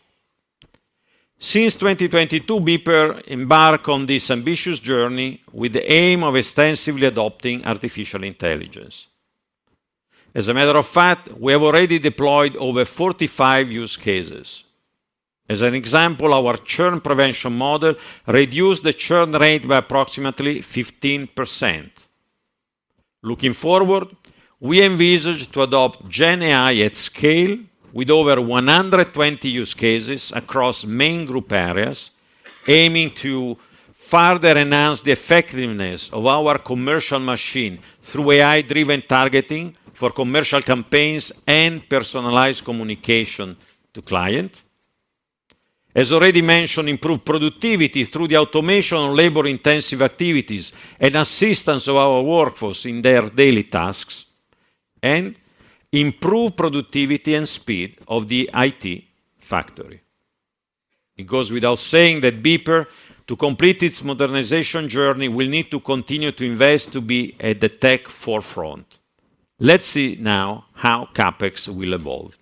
Since 2022, BPER embark on this ambitious journey with the aim of extensively adopting artificial intelligence. As a matter of fact, we have already deployed over 45 use cases. As an example, our churn prevention model reduced the churn rate by approximately 15%. Looking forward, we envisage to adopt GenAI at scale with over 120 use cases across main group areas, aiming to further enhance the effectiveness of our commercial machine through AI-driven targeting for commercial campaigns and personalized communication to client. As already mentioned, improve productivity through the automation on labor-intensive activities and assistance of our workforce in their daily tasks, and improve productivity and speed of the IT factory. It goes without saying that BPER, to complete its modernization journey, will need to continue to invest to be at the tech forefront. Let's see now how CapEx will evolve.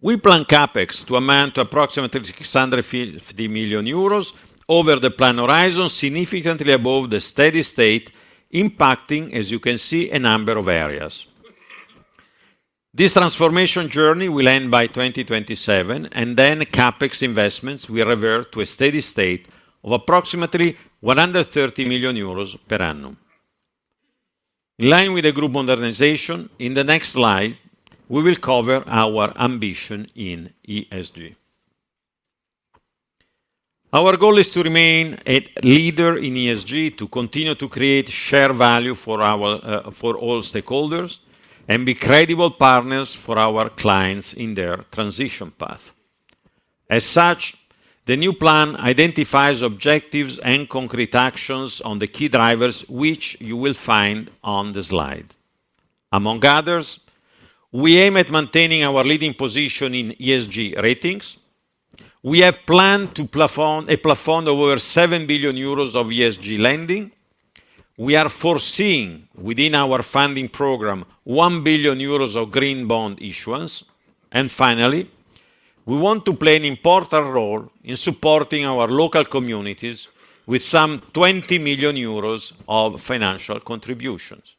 We plan CapEx to amount to approximately 650 million euros over the plan horizon, significantly above the steady state, impacting, as you can see, a number of areas. This transformation journey will end by 2027, and then CapEx investments will revert to a steady state of approximately 130 million euros per annum. In line with the group modernization, in the next slide, we will cover our ambition in ESG. Our goal is to remain a leader in ESG, to continue to create share value for our, for all stakeholders, and be credible partners for our clients in their transition path. As such, the new plan identifies objectives and concrete actions on the key drivers, which you will find on the slide. Among others, we aim at maintaining our leading position in ESG ratings. We have planned a plafond over 7 billion euros of ESG lending. We are foreseeing, within our funding program, 1 billion euros of green bond issuance. Finally, we want to play an important role in supporting our local communities with some 20 million euros of financial contributions.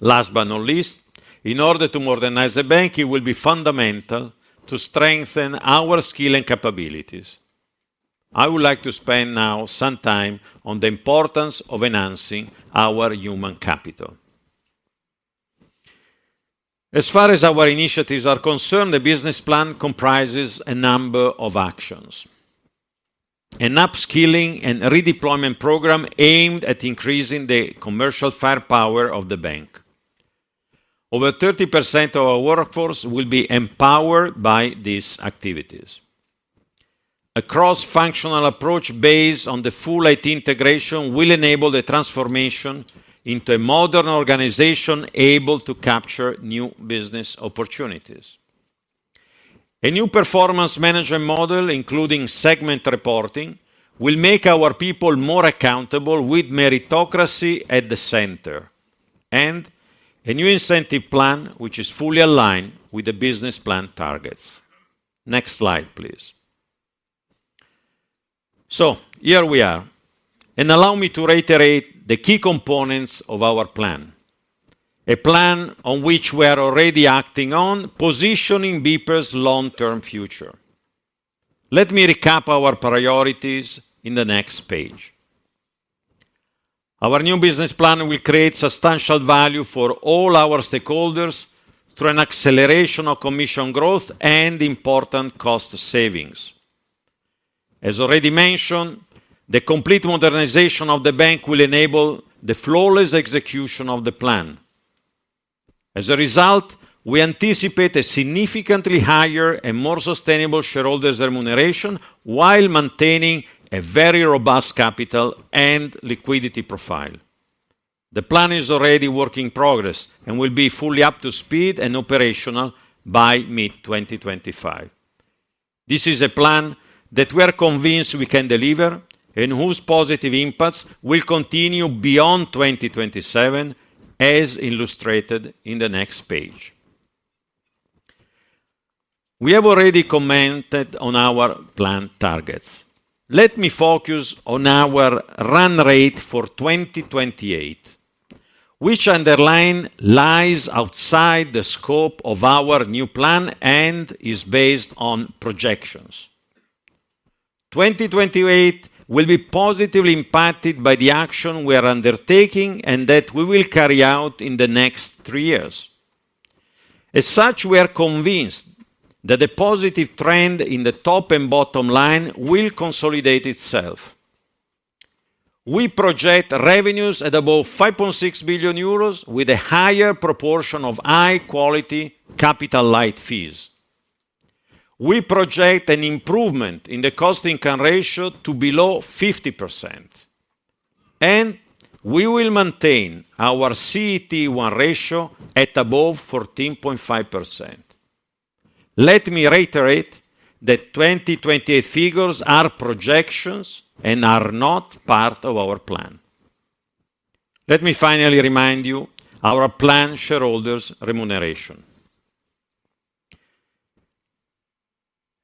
Last but not least, in order to modernize the bank, it will be fundamental to strengthen our skills and capabilities. I would like to spend now some time on the importance of enhancing our human capital. As far as our initiatives are concerned, the business plan comprises a number of actions. An upskilling and redeployment program aimed at increasing the commercial firepower of the bank. Over 30% of our workforce will be empowered by these activities. A cross-functional approach based on the full IT integration will enable the transformation into a modern organization able to capture new business opportunities. A new performance management model, including segment reporting, will make our people more accountable with meritocracy at the center, and a new incentive plan, which is fully aligned with the business plan targets. Next slide, please. So here we are, and allow me to reiterate the key components of our plan, a plan on which we are already acting on, positioning BPER's long-term future. Let me recap our priorities in the next page. Our new business plan will create substantial value for all our stakeholders through an acceleration of commission growth and important cost savings. As already mentioned, the complete modernization of the bank will enable the flawless execution of the plan. As a result, we anticipate a significantly higher and more sustainable shareholders' remuneration, while maintaining a very robust capital and liquidity profile. The plan is already a work in progress and will be fully up to speed and operational by mid-2025. This is a plan that we are convinced we can deliver and whose positive impacts will continue beyond 2027, as illustrated in the next page. We have already commented on our plan targets. Let me focus on our run rate for 2028, which underlines outside the scope of our new plan and is based on projections. 2028 will be positively impacted by the action we are undertaking and that we will carry out in the next three years. As such, we are convinced that the positive trend in the top and bottom line will consolidate itself. We project revenues at above 5.6 billion euros with a higher proportion of high-quality capital-light fees. We project an improvement in the cost-to-income ratio to below 50%, and we will maintain our CET1 ratio at above 14.5%. Let me reiterate that 2028 figures are projections and are not part of our plan. Let me finally remind you our planned shareholders' remuneration.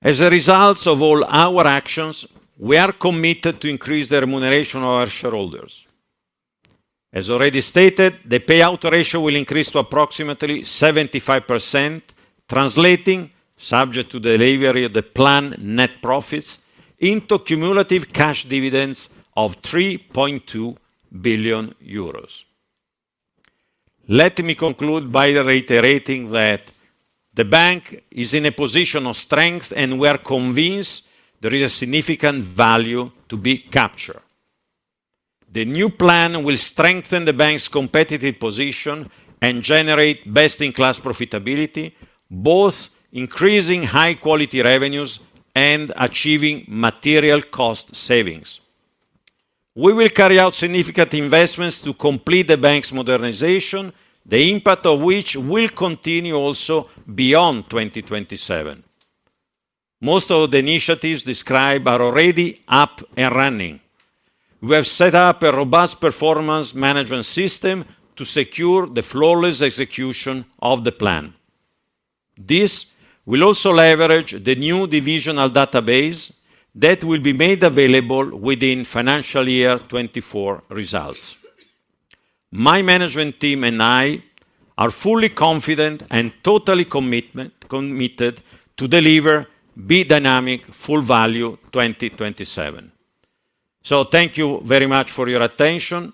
As a result of all our actions, we are committed to increase the remuneration of our shareholders. As already stated, the payout ratio will increase to approximately 75%, translating, subject to delivery of the planned net profits, into cumulative cash dividends of 3.2 billion euros. Let me conclude by reiterating that the bank is in a position of strength, and we are convinced there is a significant value to be captured. The new plan will strengthen the bank's competitive position and generate best-in-class profitability, both increasing high-quality revenues and achieving material cost savings.... We will carry out significant investments to complete the bank's modernization, the impact of which will continue also beyond 2027. Most of the initiatives described are already up and running. We have set up a robust performance management system to secure the flawless execution of the plan. This will also leverage the new divisional database that will be made available within financial year 2024 results. My management team and I are fully confident and totally committed to deliver B:Dynamic Full Value 2027. So thank you very much for your attention.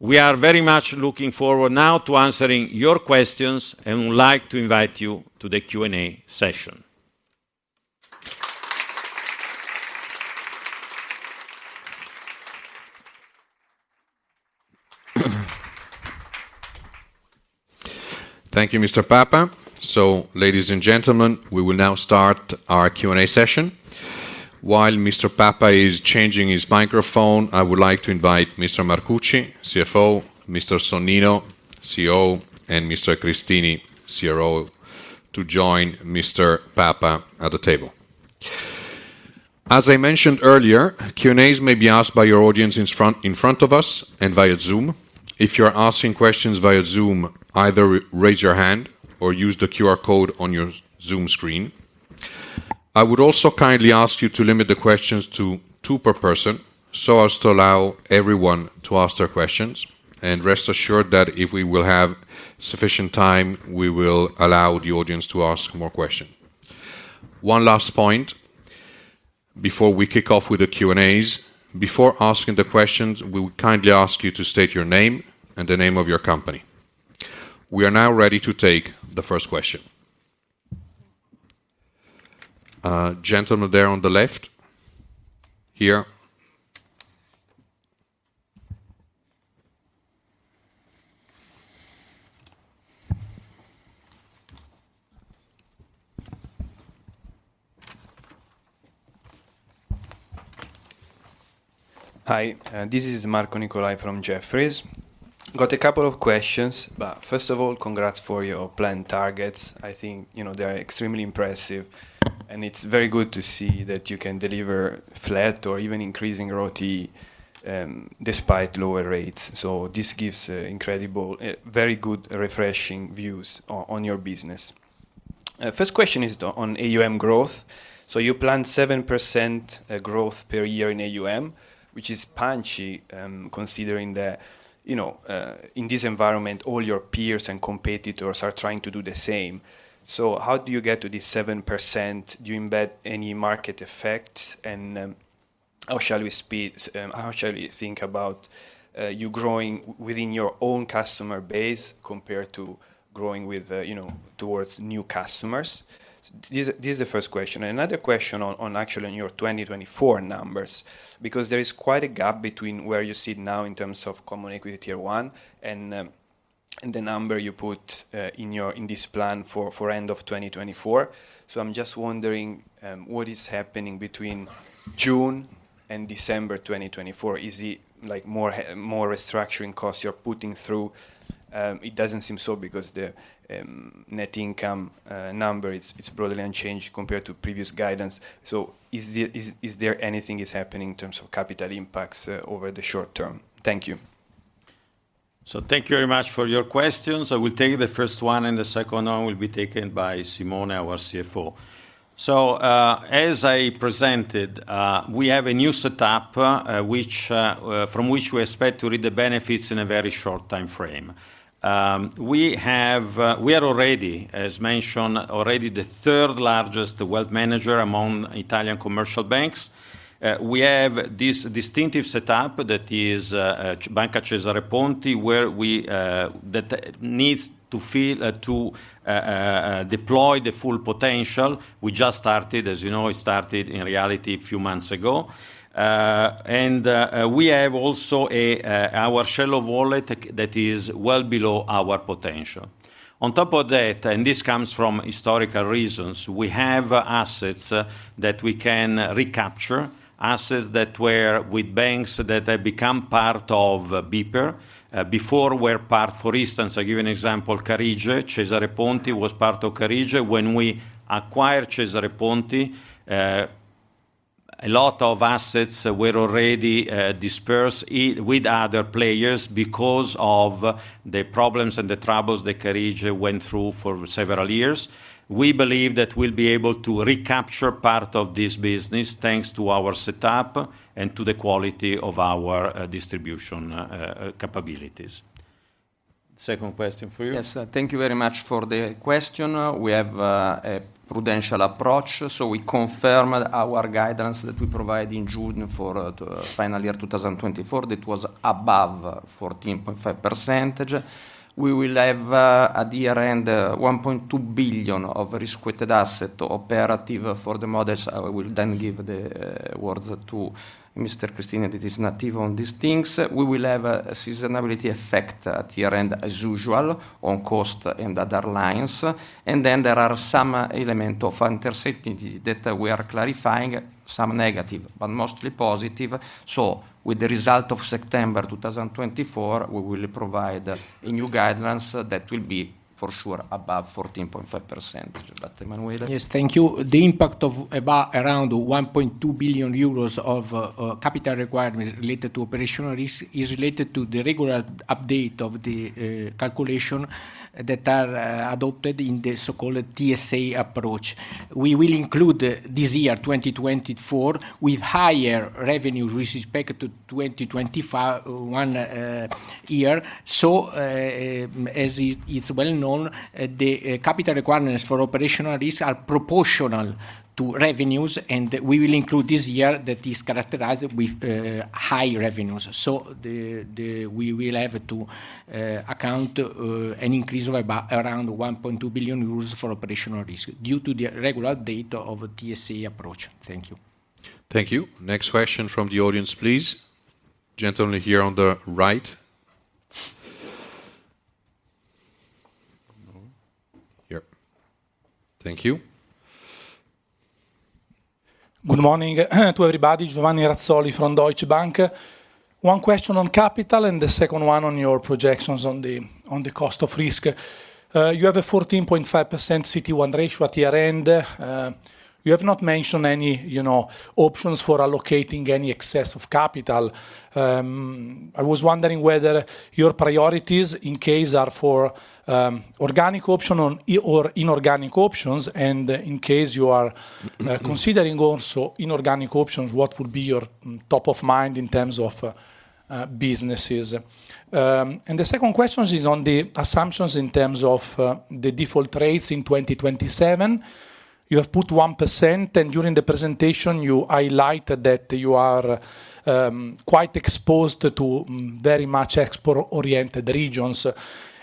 We are very much looking forward now to answering your questions, and would like to invite you to the Q&A session. Thank you, Mr. Papa. So ladies and gentlemen, we will now start our Q&A session. While Mr. Papa is changing his microphone, I would like to invite Mr. Marcucci, CFO, Mr. Sonnino, COO, and Mr. Cristini, CRO, to join Mr. Papa at the table. As I mentioned earlier, Q&A's may be asked by your audience in front of us and via Zoom. If you're asking questions via Zoom, either raise your hand or use the QR code on your Zoom screen. I would also kindly ask you to limit the questions to two per person, so as to allow everyone to ask their questions. Rest assured that if we will have sufficient time, we will allow the audience to ask more question. One last point before we kick off with the Q&A's, before asking the questions, we would kindly ask you to state your name and the name of your company. We are now ready to take the first question. Gentleman there on the left. Here. Hi, this is Marco Nicolai from Jefferies. Got a couple of questions, but first of all, congrats for your planned targets. I think, you know, they are extremely impressive, and it's very good to see that you can deliver flat or even increasing RoTE, despite lower rates. So this gives incredible, very good, refreshing views on your business. First question is on AUM growth. So you plan 7% growth per year in AUM, which is punchy, considering that, you know, in this environment, all your peers and competitors are trying to do the same. So how do you get to this 7%? Do you embed any market effect? And, how shall we think about you growing within your own customer base compared to growing with, you know, towards new customers? This is the first question. Another question on actually on your 2024 numbers, because there is quite a gap between where you sit now in terms of Common Equity Tier 1 and the number you put in your in this plan for end of 2024. So I'm just wondering what is happening between June and December 2024? Is it like more restructuring costs you're putting through? It doesn't seem so because the net income number is broadly unchanged compared to previous guidance. So is there anything happening in terms of capital impacts over the short term? Thank you. Thank you very much for your questions. I will take the first one, and the second one will be taken by Simone, our CFO. As I presented, we have a new setup from which we expect to reap the benefits in a very short time frame. We are already, as mentioned, the third largest wealth manager among Italian commercial banks. We have this distinctive setup that is Banca Cesare Ponti that needs to fully deploy the full potential. We just started, as you know. It started in reality a few months ago. We have also our shallow wallet that is well below our potential. On top of that, and this comes from historical reasons, we have assets that we can recapture, assets that were with banks that have become part of BPER. For instance, I give you an example, Carige. Cesare Ponti was part of Carige. When we acquired Cesare Ponti, a lot of assets were already dispersed with other players because of the problems and the troubles that Carige went through for several years. We believe that we'll be able to recapture part of this business, thanks to our setup and to the quality of our distribution capabilities. Second question for you. Yes, thank you very much for the question. We have a prudential approach, so we confirm our guidance that we provide in June for the full year 2024, that was above 14.5%. We will have at year-end 1.2 billion of risk-weighted assets optimization for the models. I will then give the words to Mr. Cristini, that is expert on these things. We will have a seasonality effect at year-end, as usual, on cost and other lines, and then there are some element of uncertainty that we are clarifying, some negative, but mostly positive. So with the result of September 2024, we will provide a new guidance that will be for sure above 14.5%. But Emanuele? Yes, thank you. The impact of about around 1.2 billion euros of capital requirement related to operational risk is related to the regular update of the calculation that are adopted in the so-called TSA approach. We will include this year, 2024, with higher revenue with respect to 2025, one year. So, as is well known, the capital requirements for operational risks are proportional to revenues, and we will include this year that is characterized with high revenues. So we will have to account an increase of about around 1.2 billion euros for operational risk due to the regular update of a TSA approach. Thank you. Thank you. Next question from the audience, please. Gentleman here on the right. No. Here. Thank you. Good morning to everybody. Giovanni Razzoli from Deutsche Bank. One question on capital, and the second one on your projections on the cost of risk. You have a 14.5% CET1 ratio at year end. You have not mentioned any, you know, options for allocating any excess of capital. I was wondering whether your priorities in case are for organic options or inorganic options, and in case you are considering also inorganic options, what would be your top of mind in terms of businesses? And the second question is on the assumptions in terms of the default rates in 2027. You have put 1%, and during the presentation, you highlighted that you are quite exposed to very much export-oriented regions.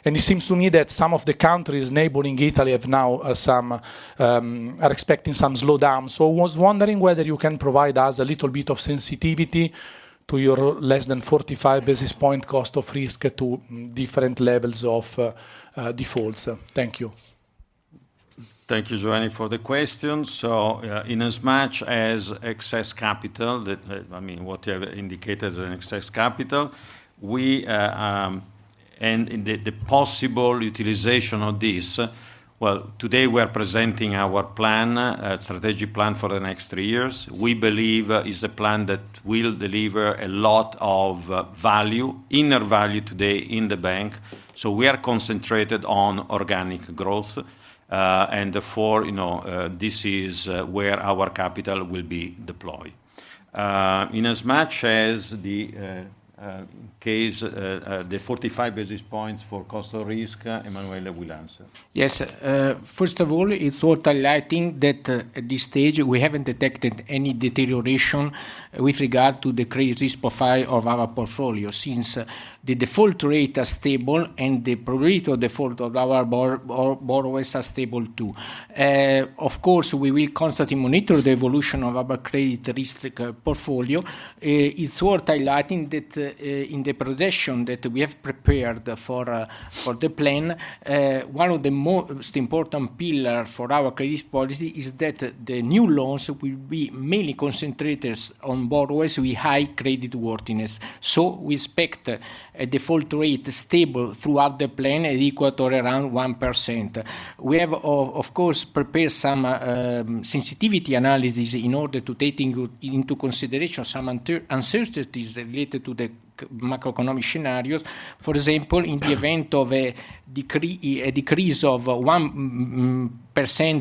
It seems to me that some of the countries neighboring Italy have now some. are expecting some slowdown. So I was wondering whether you can provide us a little bit of sensitivity to your less than 45 basis point cost of risk to different levels of defaults. Thank you. Thank you, Giovanni, for the question. So, in as much as excess capital, that, I mean, whatever indicated as an excess capital, and the possible utilization of this, well, today we are presenting our plan, strategic plan for the next three years. We believe is a plan that will deliver a lot of value, inner value today in the bank, so we are concentrated on organic growth, and therefore, you know, this is where our capital will be deployed. In as much as the case, the 45 basis points for cost of risk, Emanuele will answer. Yes. First of all, it's worth highlighting that, at this stage, we haven't detected any deterioration with regard to the credit risk profile of our portfolio, since the default rate are stable and the probability of default of our borrowers are stable, too. Of course, we will constantly monitor the evolution of our credit risk portfolio. It's worth highlighting that, in the projection that we have prepared for the plan, one of the most important pillar for our credit policy is that the new loans will be mainly concentrated on borrowers with high credit worthiness. So we expect a default rate stable throughout the plan at equal to around 1%. We have, of course, prepared some sensitivity analysis in order to take into consideration some uncertainties related to the macroeconomic scenarios. For example, in the event of a decree, a decrease of 1%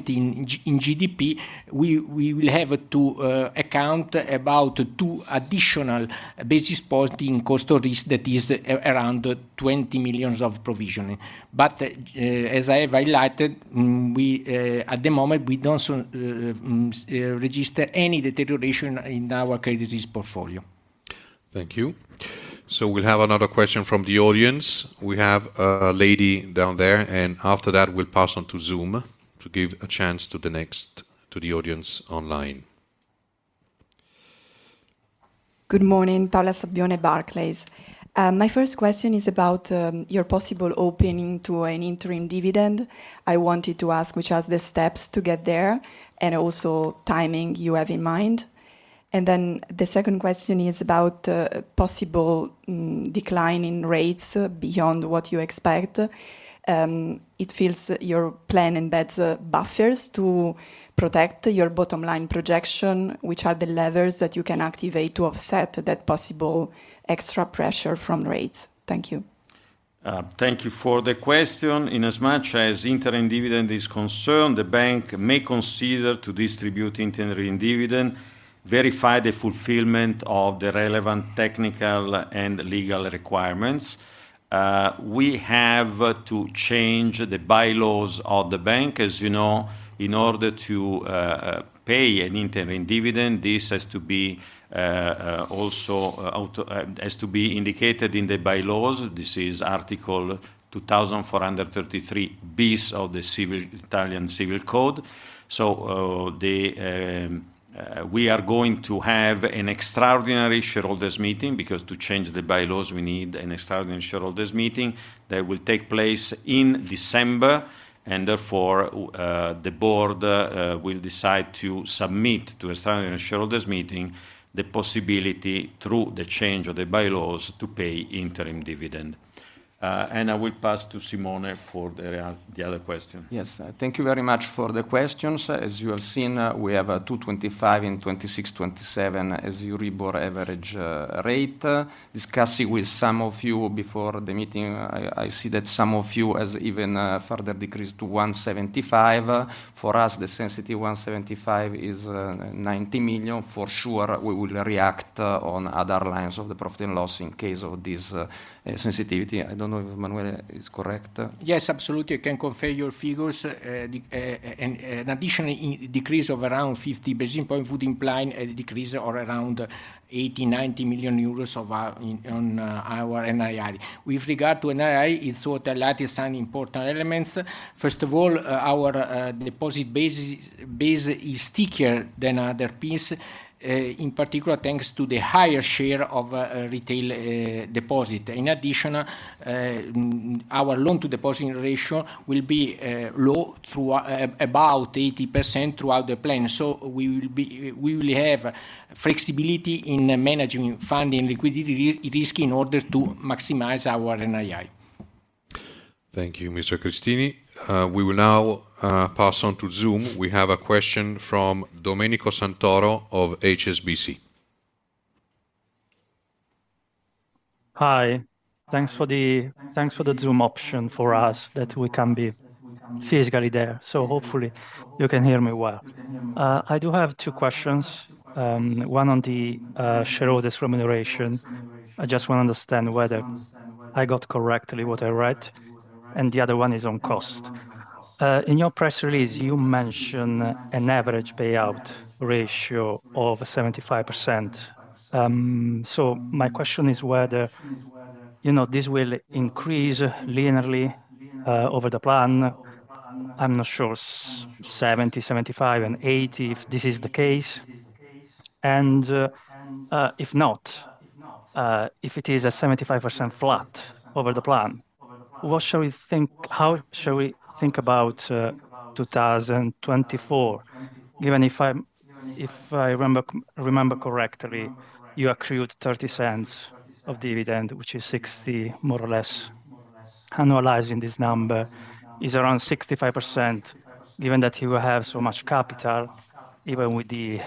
in GDP, we will have to account about two additional basis points in cost of risk, that is around 20 million of provision. But, as I have highlighted, at the moment we don't register any deterioration in our credit risk portfolio. Thank you. So we'll have another question from the audience. We have a lady down there, and after that, we'll pass on to Zoom to give a chance to the next, to the audience online. Good morning, Paola Sabbione, Barclays. My first question is about your possible opening to an interim dividend. I wanted to ask, which are the steps to get there, and also timing you have in mind? And then the second question is about possible decline in rates beyond what you expect. It feels your plan embeds buffers to protect your bottom line projection. Which are the levers that you can activate to offset that possible extra pressure from rates? Thank you. Thank you for the question. In as much as interim dividend is concerned, the bank may consider to distribute interim dividend, verify the fulfillment of the relevant technical and legal requirements. We have to change the bylaws of the bank. As you know, in order to pay an interim dividend, this has to be indicated in the bylaws. This is Article 2433-bis of the Italian Civil Code. We are going to have an extraordinary shareholders meeting, because to change the bylaws, we need an extraordinary shareholders meeting that will take place in December, and therefore, the board will decide to submit to extraordinary shareholders meeting the possibility, through the change of the bylaws, to pay interim dividend. I will pass to Simone for the other question. Yes. Thank you very much for the questions. As you have seen, we have 2025 and 2026, 2027 as Euribor average rate. Discussing with some of you before the meeting, I see that some of you has even further decreased to 175. For us, the sensitivity 175 is 90 million. For sure, we will react on other lines of the profit and loss in case of this sensitivity. I don't know if Manuel is correct? Yes, absolutely. I can confirm your figures. An additional decrease of around 50 basis points would imply a decrease of around 80 million-90 million euros on our NII. With regard to NII, it's what highlights some important elements. First of all, our deposit base is stickier than other peers, in particular, thanks to the higher share of retail deposit. In addition, our loan-to-deposit ratio will be low through about 80% throughout the plan. So we will have flexibility in managing funding liquidity risk in order to maximize our NII. Thank you, Mr. Cristini. We will now pass on to Zoom. We have a question from Domenico Santoro of HSBC. Hi. Thanks for the Zoom option for us, that we can be physically there. So hopefully you can hear me well. I do have two questions, one on the shareholders remuneration. I just want to understand whether I got correctly what I read, and the other one is on cost. In your press release, you mention an average payout ratio of 75%. So my question is whether, you know, this will increase linearly over the plan. I'm not sure, 70%, 75%, and 80%, if this is the case. And, if not, if it is a 75% flat over the plan, what shall we think-- how shall we think about two thousand and twenty-four? Given that if I'm, if I remember correctly, you accrued 0.30 of dividend, which is 0.60, more or less, annualizing this number, is around 65%. Given that you will have so much capital, even with the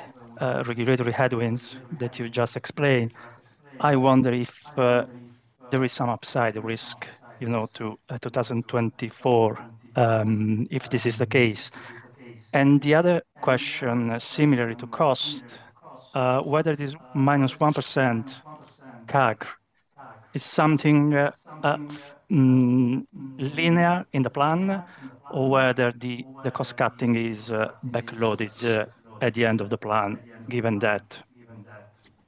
regulatory headwinds that you just explained, I wonder if there is some upside risk, you know, to 2024, if this is the case. The other question, similarly to cost, whether it is -1% CAGR, is something linear in the plan, or whether the cost cutting is backloaded at the end of the plan, given that,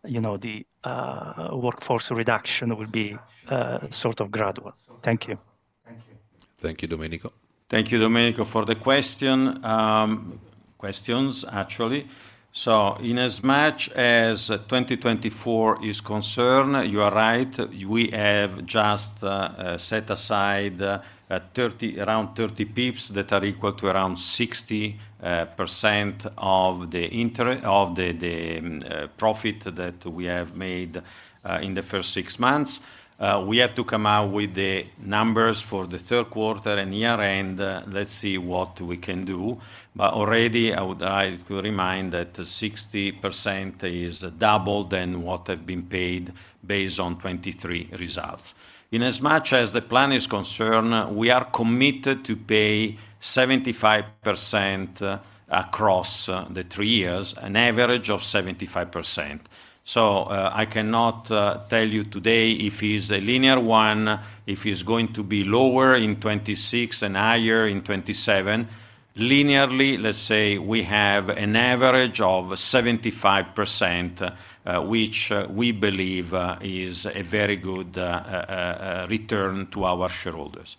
you know, the workforce reduction will be sort of gradual? Thank you. Thank you, Domenico. Thank you, Domenico, for the question, questions, actually. So in as much as 2024 is concerned, you are right, we have just set aside around 30 pips that are equal to around 60% of the profit that we have made in the first six months. We have to come out with the numbers for the Q3 and year-end, let's see what we can do. But already, I would like to remind that 60% is double than what had been paid based on 2023 results. In as much as the plan is concerned, we are committed to pay 75% across the three years, an average of 75%. So I cannot tell you today if it's a linear one, if it's going to be lower in 2026 and higher in 2027. Linearly, let's say we have an average of 75%, which we believe is a very good return to our shareholders.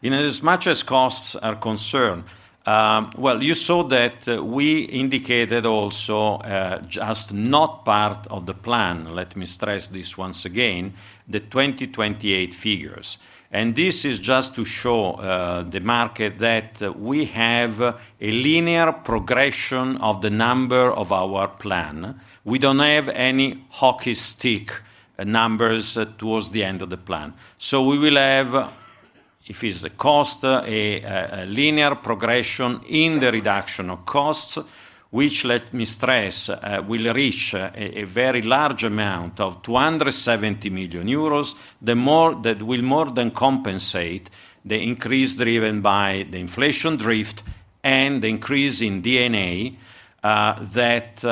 In as much as costs are concerned, well, you saw that we indicated also just not part of the plan, let me stress this once again, the 2028 figures, and this is just to show the market that we have a linear progression of the number of our plan. We don't have any hockey stick numbers towards the end of the plan. So we will have-... If it's a cost, a linear progression in the reduction of costs, which, let me stress, will reach a very large amount of 270 million euros, the more that will more than compensate the increase driven by the inflation drift and the increase in D&A, that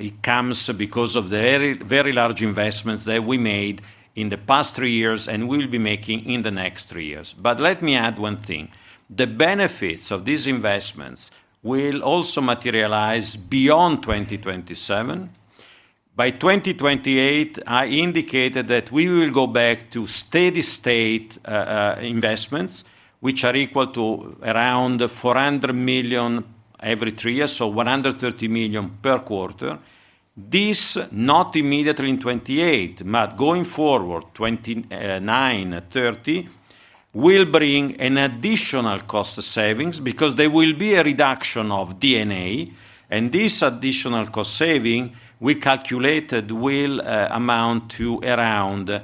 it comes because of the very, very large investments that we made in the past three years and we will be making in the next three years. But let me add one thing: the benefits of these investments will also materialize beyond 2027. By 2028, I indicated that we will go back to steady state investments, which are equal to around 400 million every three years, so 130 million per quarter. This is not immediately in 2028, but going forward, 2029, 2030, will bring an additional cost savings because there will be a reduction of NPE, and this additional cost saving, we calculated will amount to around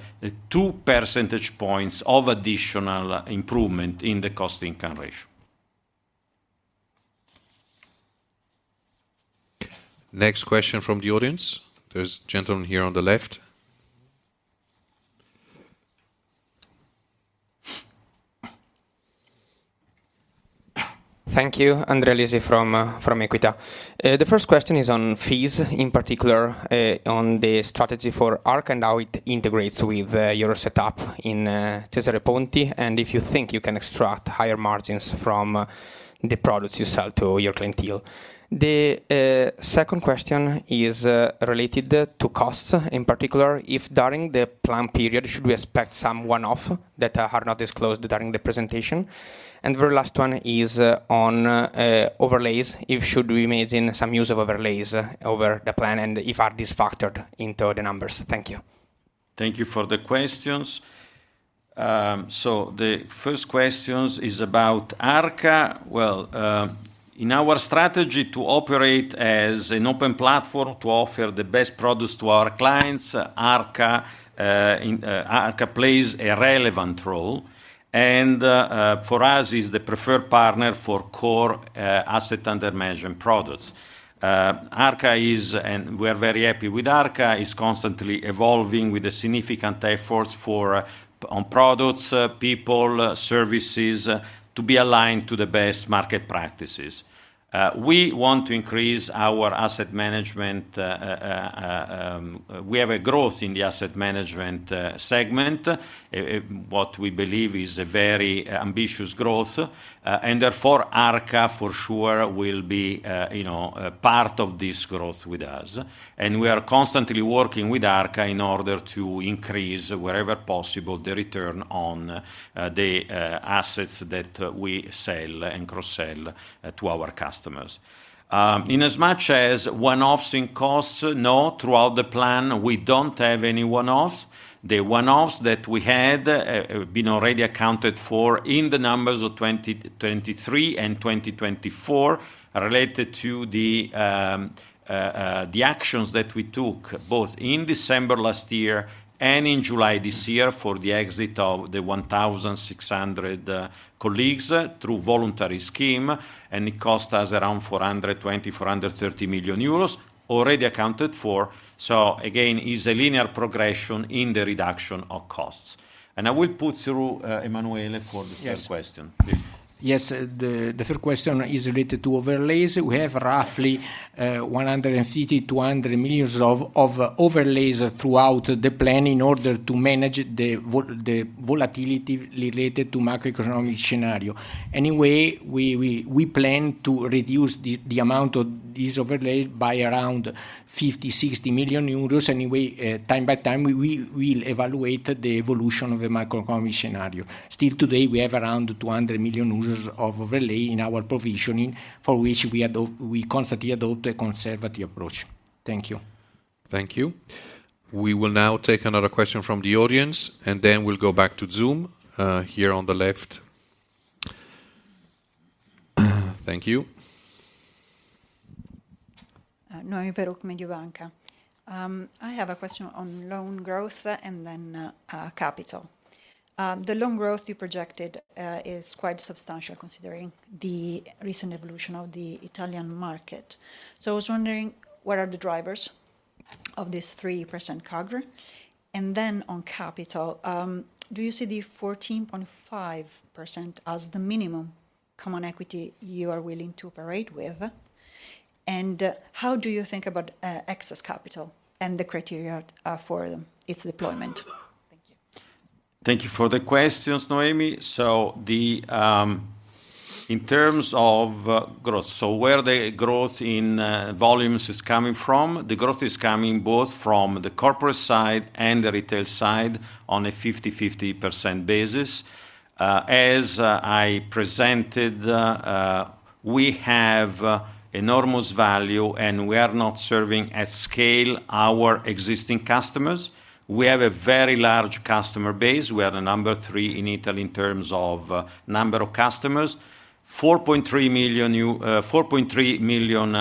2 percentage points of additional improvement in the cost-to-income ratio. Next question from the audience. There's a gentleman here on the left. Thank you. Andrea Lisi from Equita. The first question is on fees, in particular, on the strategy for Arca and how it integrates with your setup in Cesare Ponti, and if you think you can extract higher margins from the products you sell to your clientele. The second question is related to costs, in particular, if during the plan period, should we expect some one-off that are not disclosed during the presentation? And the very last one is on overlays, if should we imagine some use of overlays over the plan and if are this factored into the numbers? Thank you. Thank you for the questions. The first questions is about Arca. In our strategy to operate as an open platform to offer the best products to our clients, Arca plays a relevant role, and for us is the preferred partner for core asset under management products. Arca is, and we are very happy with Arca, is constantly evolving with a significant efforts on products, people, services, to be aligned to the best market practices. We want to increase our asset management, we have a growth in the asset management segment, what we believe is a very ambitious growth, and therefore, Arca for sure will be, you know, a part of this growth with us. We are constantly working with Arca in order to increase, wherever possible, the return on the assets that we sell and cross-sell to our customers. In as much as one-offs in costs, no, throughout the plan, we don't have any one-offs. The one-offs that we had been already accounted for in the numbers of 2023 and 2024, related to the actions that we took, both in December last year and in July this year, for the exit of 1,600 colleagues through voluntary scheme, and it cost us around 430 million euros, already accounted for. So again, it's a linear progression in the reduction of costs. I will put through Emanuele for the third question. Yes. Please. Yes, the third question is related to overlays. We have roughly 150 million-200 million of overlays throughout the plan in order to manage the volatility related to macroeconomic scenario. Anyway, we plan to reduce the amount of this overlay by around 50 million-60 million euros. Anyway, time to time, we will evaluate the evolution of the macroeconomic scenario. Still today, we have around 200 million of overlay in our provisioning, for which we constantly adopt a conservative approach. Thank you. Thank you. We will now take another question from the audience, and then we'll go back to Zoom. Here on the left. Thank you. Noemi Peruch, Mediobanca. I have a question on loan growth and then capital. The loan growth you projected is quite substantial, considering the recent evolution of the Italian market. So I was wondering, what are the drivers of this 3% CAGR? And then on capital, do you see the 14.5% as the minimum common equity you are willing to operate with? And how do you think about excess capital and the criteria for its deployment? Thank you. Thank you for the questions, Noemi. So, in terms of growth, where the growth in volumes is coming from, the growth is coming both from the Corporate side and the Retail side on a 50/50% basis. As I presented, we have enormous value, and we are not serving at scale our existing customers. We have a very large customer base. We are the number three in Italy in terms of number of customers. 4.3 million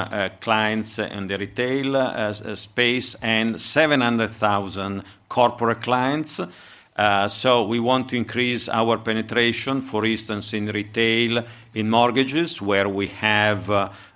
clients in the Retail space, and 700,000 Corporate clients. So we want to increase our penetration, for instance, in Retail, in Mortgages, where we have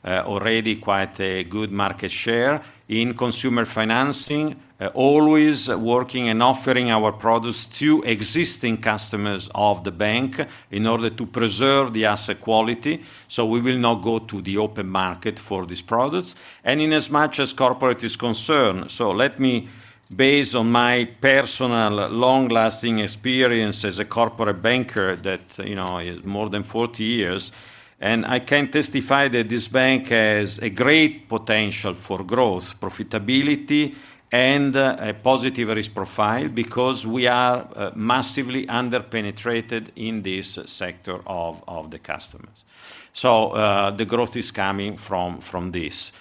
already quite a good market share. In Consumer Financing, always working and offering our products to existing customers of the bank in order to preserve the asset quality, so we will not go to the open market for these products, and in as much as corporate is concerned. So let me draw on my personal long-lasting experience as a corporate banker, that, you know, is more than forty years, and I can testify that this bank has a great potential for growth, profitability, and a positive risk profile, because we are massively under-penetrated in this sector of the customers. So, the growth is coming from this,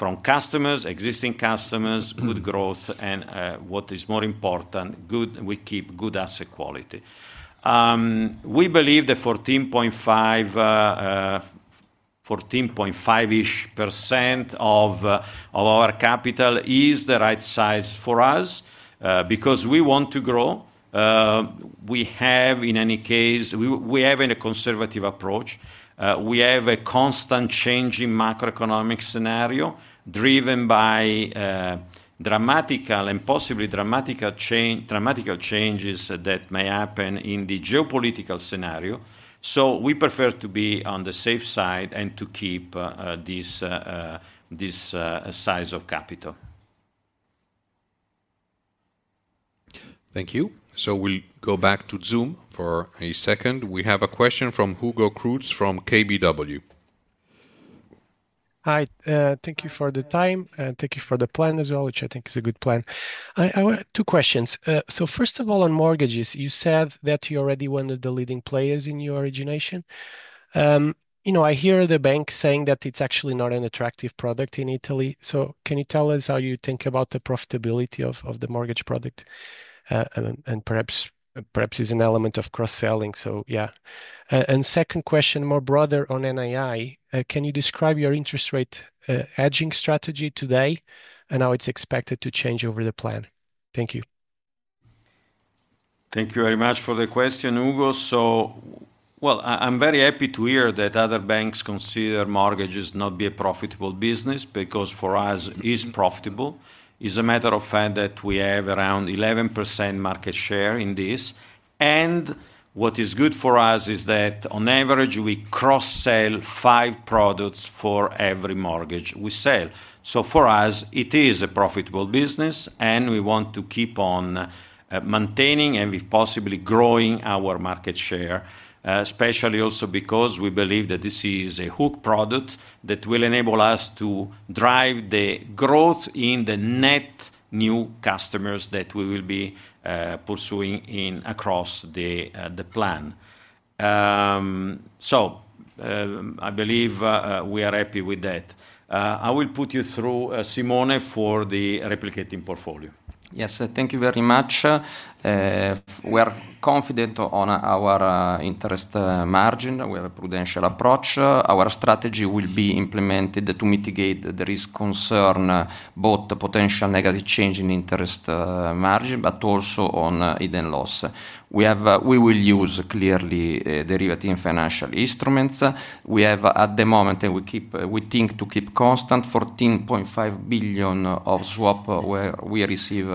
from existing customers, good growth, and what is more important, good asset quality. We keep good asset quality. We believe that 14.5-ish% of our capital is the right size for us, because we want to grow. We have, in any case, a conservative approach. We have a constant changing macroeconomic scenario, driven by dramatic and possibly dramatic changes that may happen in the geopolitical scenario, so we prefer to be on the safe side and to keep this size of capital. Thank you. So we go back to Zoom for a second. We have a question from Hugo Cruz from KBW. Hi, thank you for the time, and thank you for the plan as well, which I think is a good plan. I want two questions. So first of all, on Mortgages, you said that you're already one of the leading players in your origination. You know, I hear the bank saying that it's actually not an attractive product in Italy. So can you tell us how you think about the profitability of the Mortgage product, and perhaps it's an element of cross-selling, so yeah. Second question, more broader on NII, can you describe your interest rate hedging strategy today and how it's expected to change over the plan? Thank you. Thank you very much for the question, Hugo. I'm very happy to hear that other banks consider Mortgages not be a profitable business, because for us, is profitable. It's a matter of fact that we have around 11% market share in this, and what is good for us is that on average, we cross-sell five products for every Mortgage we sell. So for us, it is a profitable business, and we want to keep on maintaining and we possibly growing our market share, especially also because we believe that this is a hook product that will enable us to drive the growth in the net new customers that we will be pursuing in across the plan. I believe we are happy with that. I will put you through Simone for the replicating portfolio. Yes, thank you very much. We are confident on our interest margin. We have a prudential approach. Our strategy will be implemented to mitigate the risk concern both the potential negative change in interest margin, but also on hidden loss. We have. We will use, clearly, derivative and financial instruments. We have, at the moment, and we keep, we think to keep constant, 14.5 billion of swap, where we receive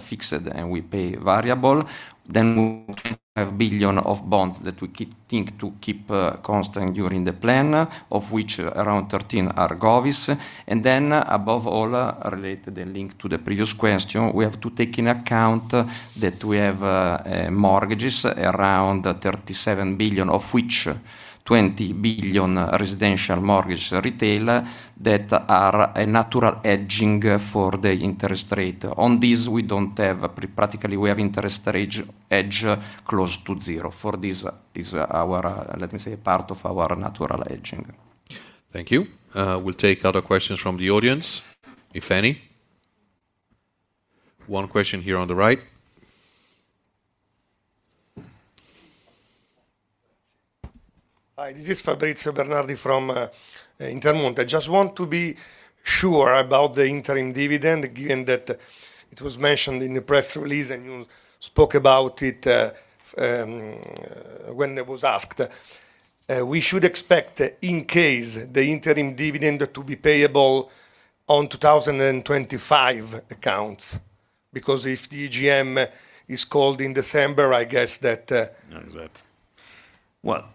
fixed and we pay variable, then we have billion of bonds that we keep, think to keep constant during the plan, of which around 13 are Govvies. Then, above all, related and linked to the previous question, we have to take into account that we have Mortgages around 37 billion, of which 20 billion residential mortgage retail, that are a natural hedging for the interest rate. On this, we don't have practically. We have interest rate hedge close to zero. For this is our, let me say, part of our natural hedging. Thank you. We'll take other questions from the audience, if any. One question here on the right. Hi, this is Fabrizio Bernardi from Intermonte. I just want to be sure about the interim dividend, given that it was mentioned in the press release, and you spoke about it when it was asked. We should expect, in case, the interim dividend to be payable on 2025 accounts? Because if the GM is called in December, I guess that Exactly. Well,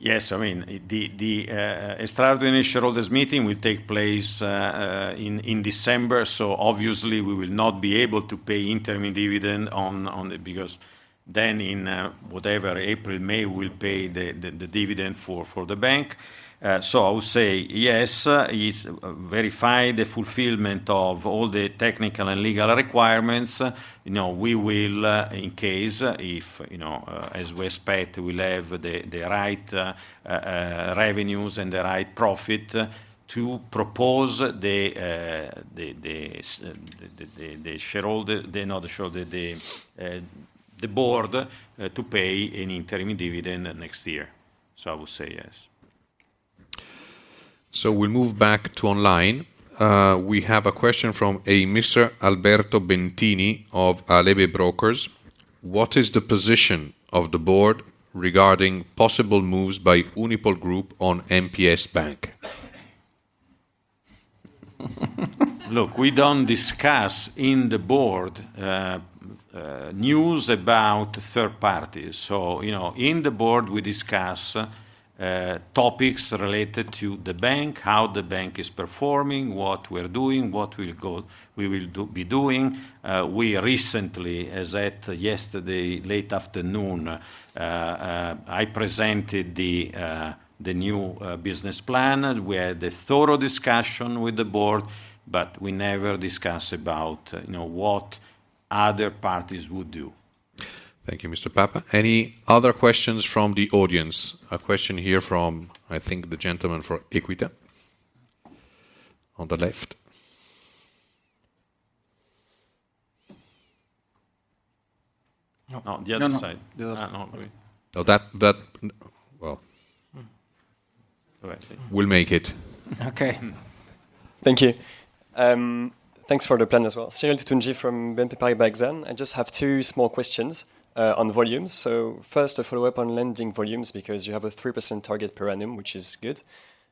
yes, I mean, the extraordinary shareholders meeting will take place in December, so obviously we will not be able to pay interim dividend on the... Because then in whatever, April, May, we'll pay the dividend for the bank. So I would say yes, it's verified the fulfillment of all the technical and legal requirements. You know, we will in case if, you know, as we expect, we'll have the right revenues and the right profit to propose to the board to pay an interim dividend next year. So I would say yes. So we move back to online. We have a question from a Mr. Alberto Bentini of Alebe Brokers: "What is the position of the board regarding possible moves by Unipol Group on MPS Bank? Look, we don't discuss in the Board news about third parties. So, you know, in the Board, we discuss topics related to the bank, how the bank is performing, what we're doing, what we will do, be doing. We recently, as at yesterday late afternoon, I presented the new business plan, and we had a thorough discussion with the board, but we never discuss about, you know, what other parties would do. Thank you, Mr. Papa. Any other questions from the audience? A question here from, I think, the gentleman from Equita on the left. No, the other side. No, no, the other side. Oh, that... Well- Correctly. We'll make it. Okay. Thank you. Thanks for the plan as well. Cyril Toutounji from BNP Paribas Exane. I just have two small questions on volume. So first, a follow-up on lending volumes, because you have a 3% target per annum, which is good.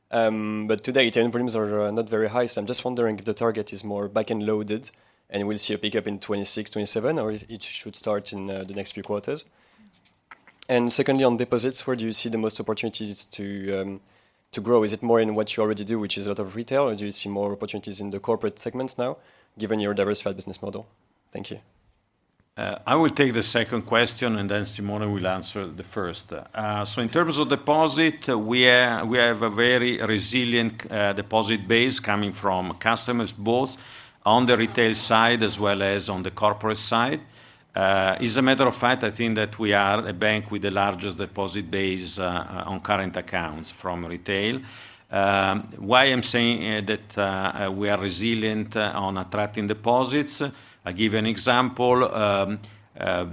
But to date, loan volumes are not very high, so I'm just wondering if the target is more back-end loaded and we'll see a pickup in 2026, 2027, or it should start in the next few quarters? And secondly, on deposits, where do you see the most opportunities to grow? Is it more in what you already do, which is a lot of Retail, or do you see more opportunities in the Corporate segments now, given your diversified business model? Thank you. I will take the second question, and then Simone will answer the first. So in terms of deposit, we have a very resilient deposit base coming from customers, both on the retail side as well as on the corporate side. As a matter of fact, I think that we are a bank with the largest deposit base on current accounts from Retail. Why I'm saying that we are resilient on attracting deposits? I give an example,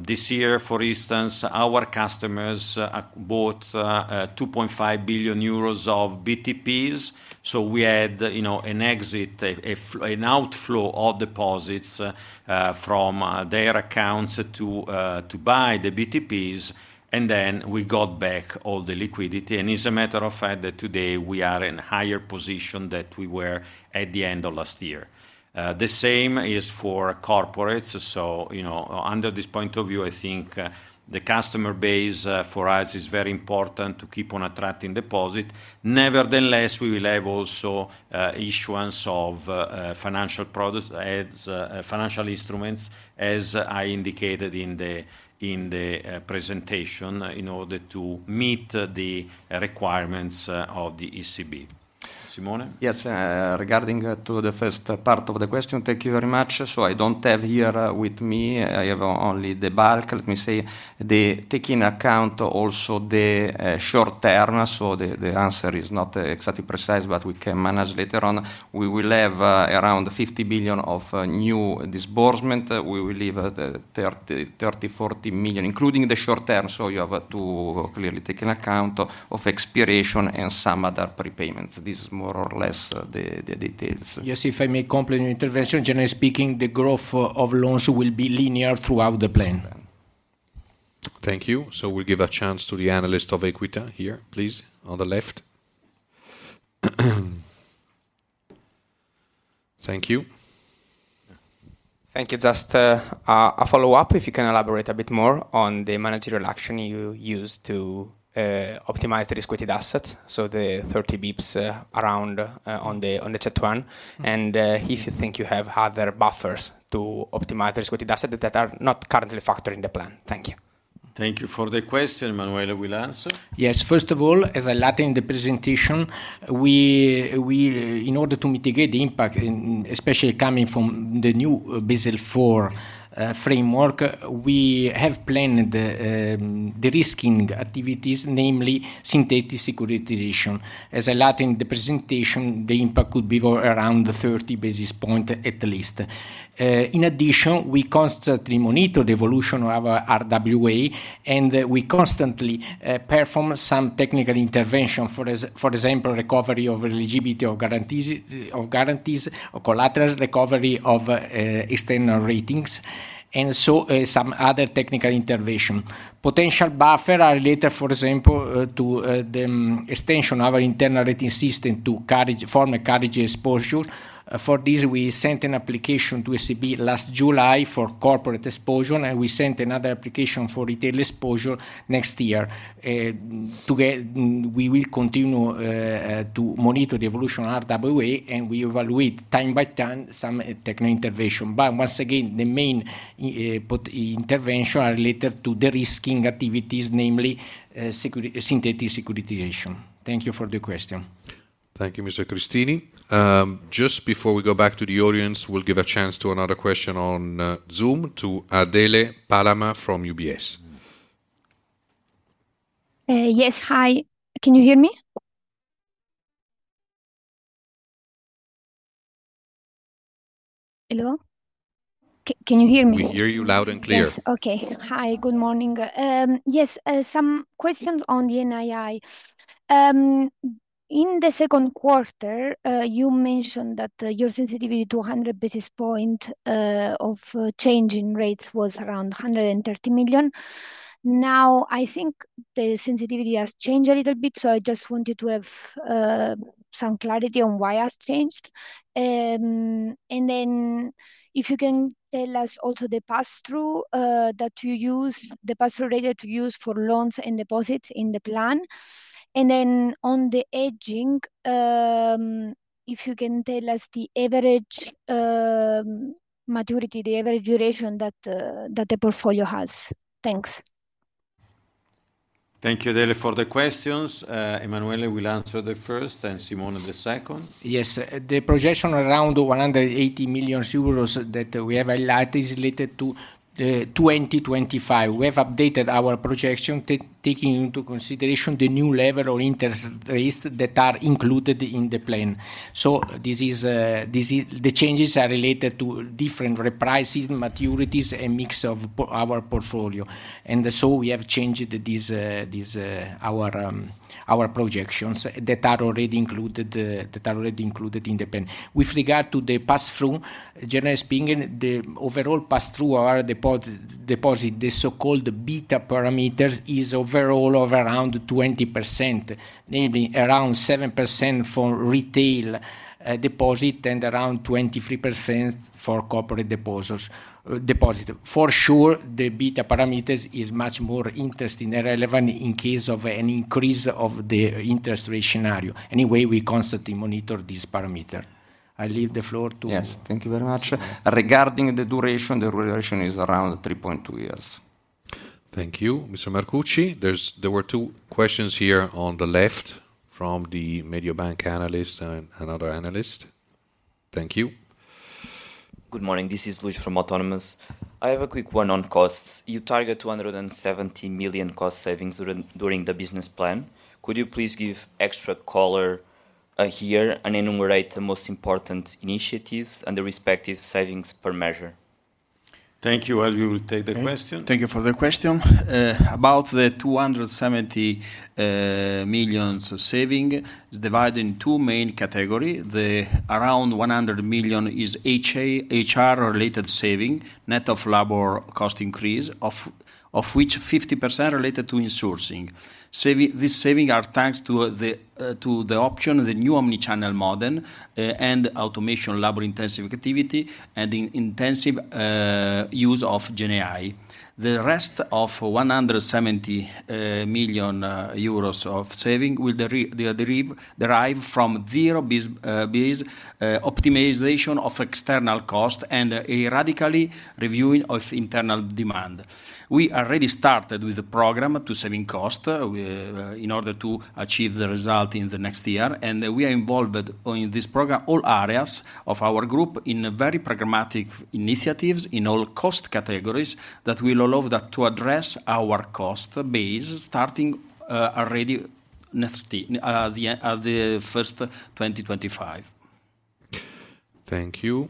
this year, for instance, our customers bought 2.5 billion euros of BTPs, so we had, you know, an outflow of deposits from their accounts to buy the BTPs, and then we got back all the liquidity. And as a matter of fact, today we are in a higher position than we were at the end of last year. The same is for corporates. So, you know, under this point of view, I think, the customer base for us is very important to keep on attracting deposit. Nevertheless, we will have also issuance of financial products as financial instruments, as I indicated in the presentation, in order to meet the requirements of the ECB. Simone? Yes, regarding to the first part of the question, thank you very much. I don't have here with me. I have only the bulk. Let me say, taking account also the short term, so the answer is not exactly precise, but we can manage later on. We will have around 50 billion of new disbursement. We will leave the 30 million-40 million, including the short term, so you have to clearly take in account of expiration and some other prepayments. This is more or less the details. Yes, if I may complement intervention, generally speaking, the growth of loans will be linear throughout the plan. Thank you. So we'll give a chance to the analyst of Equita here. Please, on the left. Thank you. Thank you. Just a follow-up, if you can elaborate a bit more on the managerial action you use to optimize the risk-weighted assets, so the 30 basis points around on the CET1. And if you think you have other buffers to optimize risk-weighted asset that are not currently factored in the plan. Thank you. Thank you for the question. Emanuele will answer. Yes. First of all, as I lacked in the presentation, we have planned the risking activities, namely synthetic securitization. As I lacked in the presentation, the impact could be around thirty basis points at least. In addition, we constantly monitor the evolution of our RWA, and we constantly perform some technical intervention, for example, recovery of eligibility of guarantees, of collaterals, recovery of external ratings, and so, some other technical intervention. Potential buffer are related, for example, to the extension of our internal rating system to Carige, former Carige exposure. For this, we sent an application to ECB last July for corporate exposure, and we sent another application for retail exposure next year. To get... We will continue to monitor the evolution of RWA, and we evaluate time by time some technical intervention. But once again, the main put intervention are related to the risking activities, namely, securitization, synthetic securitization. Thank you for the question. Thank you, Mr. Cristini. Just before we go back to the audience, we'll give a chance to another question on Zoom to Adele Palama from UBS. Yes. Hi, can you hear me? Hello? Can you hear me? We hear you loud and clear. Yes. Okay. Hi, good morning. Yes, some questions on the NII. In the Q2, you mentioned that your sensitivity to 100 basis points of change in rates was around 130 million. Now, I think the sensitivity has changed a little bit, so I just wanted to have some clarity on why it has changed. Then if you can tell us also the pass-through that you use, the pass-through rate that you use for loans and deposits in the plan. Then on the hedging, if you can tell us the average maturity, the average duration that that the portfolio has. Thanks. Thank you, Adele, for the questions. Emanuele will answer the first, and Simone the second. Yes. The projection around 180 million euros that we have highlighted is related to 2025. We have updated our projection, taking into consideration the new level of interest rates that are included in the plan. So this is. The changes are related to different repricing, maturities, and mix of our portfolio, and so we have changed our projections that are already included in the plan. With regard to the pass-through, generally speaking, the overall pass-through of our deposits, the so-called beta parameters, is overall around 20%, namely around 7% for Retail deposits and around 23% for Corporate deposits. For sure, the beta parameters is much more interesting and relevant in case of an increase of the interest rate scenario. Anyway, we constantly monitor this parameter. I leave the floor to- Yes, thank you very much. Regarding the duration, the duration is around 3.2 years. Thank you, Mr. Marcucci. There were two questions here on the left from the Mediobanca analyst and another analyst. Thank you. Good morning. This is Luis from Autonomous. I have a quick one on costs. You target 270 million cost savings during the business plan. Could you please give extra color here, and enumerate the most important initiatives and the respective savings per measure? Thank you. El, you will take the question. Thank you for the question. About the 270 million in savings, divided in two main category. The around 100 million is HR-related saving, net of labor cost increase, of which 50% related to insourcing. Saving, this saving are thanks to the option, the new omni-channel model, and automation labor-intensive activity, and the intensive use of GenAI. The rest of 170 million euros of saving are derived from zero-based optimization of external cost and a radically reviewing of internal demand. We already started with the program to save costs in order to achieve the result in the next year, and we are involved in this program, all areas of our group, in very pragmatic initiatives in all cost categories that will allow us to address our cost base, starting already next, the first 2025. Thank you,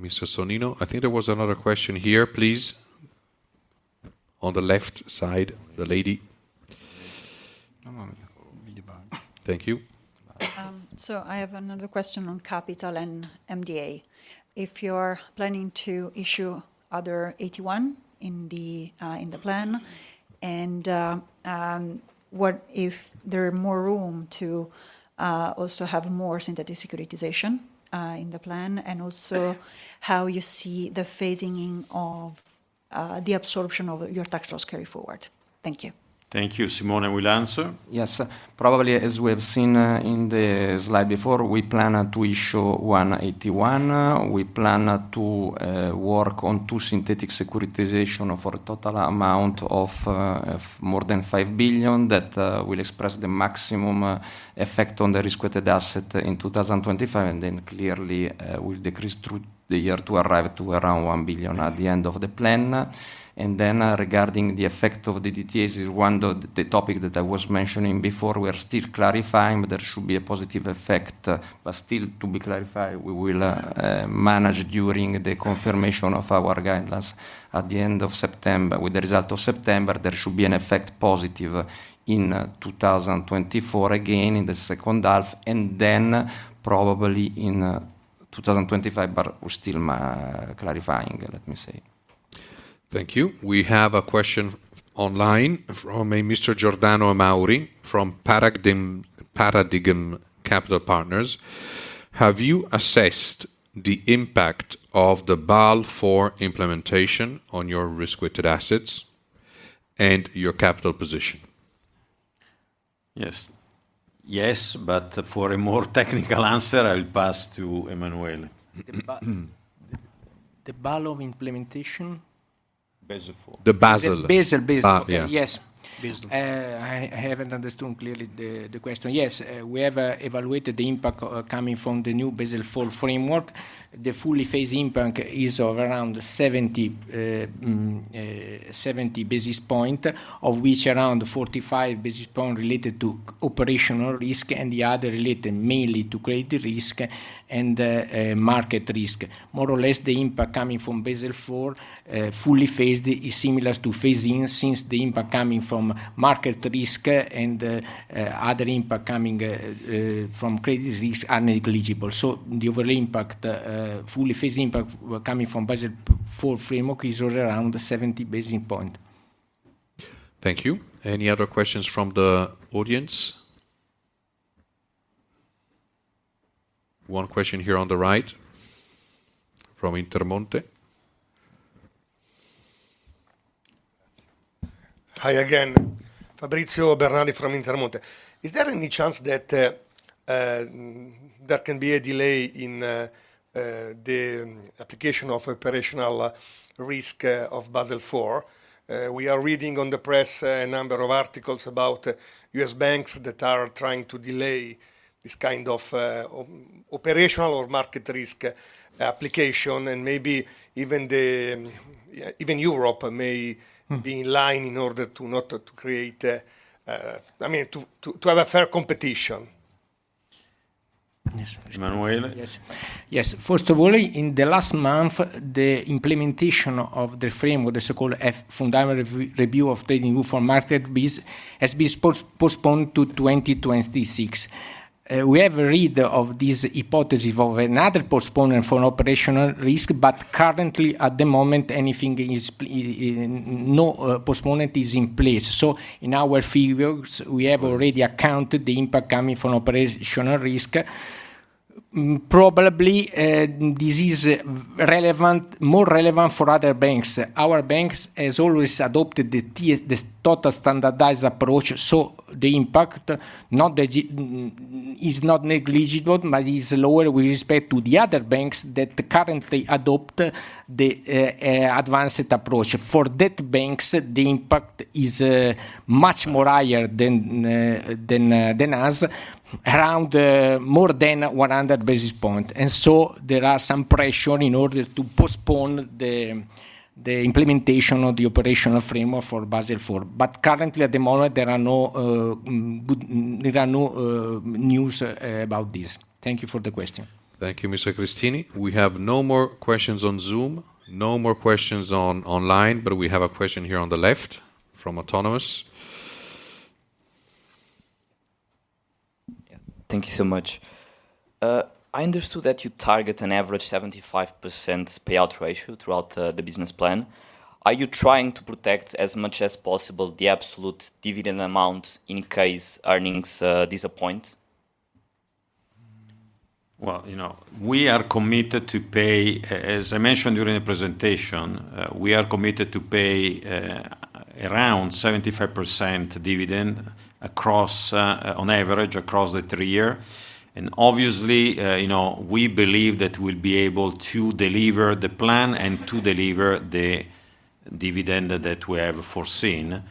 Mr. Sonnino. I think there was another question here. Please, on the left side, the lady. Um, Mediobanca. Thank you. I have another question on capital and MDA. If you're planning to issue other AT1 in the plan, and what if there are more room to also have more synthetic securitization in the plan? And also, how you see the phasing in of the absorption of your tax loss carry forward? Thank you. Thank you. Simone will answer. Yes. Probably, as we have seen in the slide before, we plan to issue 181. We plan to work on two synthetic securitization for a total amount of more than 5 billion that will express the maximum effect on the risk-weighted asset in 2025, and then clearly will decrease through the year to arrive at around 1 billion at the end of the plan. Regarding the effect of DTAs, it is one of the topics that I was mentioning before. We are still clarifying, but there should be a positive effect. But still to be clarified, we will manage during the confirmation of our guidelines at the end of September. With the result of September, there should be an effect positive in 2024, again in the second half, and then probably in 2025, but we're still clarifying, let me say. Thank you. We have a question online from a Mr. Giordano Mauri from Paradigm, Paradigm Capital Partners. Have you assessed the impact of the Basel IV implementation on your risk-weighted assets and your capital position? Yes. Yes, but for a more technical answer, I'll pass to Emanuele.... the Basel implementation? Basel IV. The Basel. The Basel. Ah, yeah. I haven't understood clearly the question. Yes, we have evaluated the impact coming from the new Basel IV framework. The fully phased impact is of around 70 basis point, of which around 45 basis point related to operational risk, and the other related mainly to credit risk and market risk. More or less, the impact coming from Basel IV fully phased is similar to phase-in, since the impact coming from market risk and other impact coming from credit risk are negligible. So the overall impact fully phased impact coming from Basel IV framework is around 70 basis point. Thank you. Any other questions from the audience? One question here on the right, from Intermonte. Hi again. Fabrizio Bernardi from Intermonte. Is there any chance that there can be a delay in the application of operational risk of Basel IV? We are reading on the press a number of articles about U.S. banks that are trying to delay this kind of operational or market risk application, and maybe even the even Europe may-... be in line in order to not to create, I mean, to have a fair competition. Yes. Emanuele? Yes. Yes, first of all, in the last month, the implementation of the framework, the so-called Fundamental Review of the Trading Book for Market Risk, has been postponed to 2026. We have read of this hypothesis of another postponement for operational risk, but currently, at the moment, no postponement is in place. So in our figures, we have already accounted for the impact coming from operational risk. Probably, this is relevant, more relevant for other banks. Our bank has always adopted the TSA, the Total Standardized Approach, so the impact is not negligible, but is lower with respect to the other banks that currently adopt the advanced approach. For those banks, the impact is much more higher than us, around more than 100 basis points. And so there are some pressure in order to postpone the implementation of the operational framework for Basel IV. But currently, at the moment, there are no good news about this. Thank you for the question. Thank you, Mr. Cristini. We have no more questions on Zoom, no more questions on online, but we have a question here on the left from Autonomous. Yeah. Thank you so much. I understood that you target an average 75% payout ratio throughout the business plan. Are you trying to protect as much as possible the absolute dividend amount in case earnings disappoint? Well, you know, we are committed to pay... as I mentioned during the presentation, we are committed to pay around 75% dividend across on average across the three year. Obviously, you know, we believe that we'll be able to deliver the plan and to deliver the dividend that we have foreseen.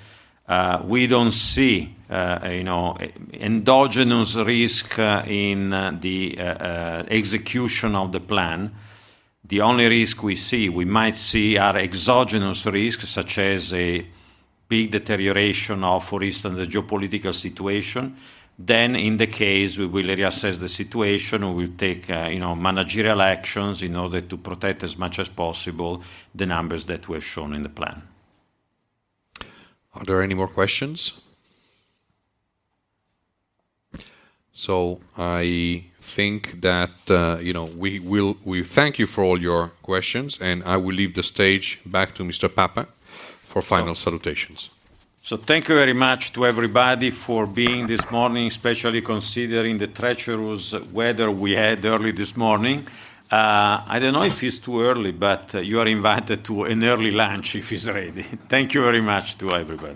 We don't see, you know, endogenous risk in execution of the plan. The only risk we see, we might see, are exogenous risks, such as a big deterioration of, for instance, the geopolitical situation. Then in the case, we will reassess the situation, and we'll take, you know, managerial actions in order to protect as much as possible the numbers that we have shown in the plan. Are there any more questions? So I think that, you know, we thank you for all your questions, and I will leave the stage back to Mr. Papa for final salutations. Thank you very much to everybody for being this morning, especially considering the treacherous weather we had early this morning. I don't know if it's too early, but you are invited to an early lunch, if it's ready. Thank you very much to everybody.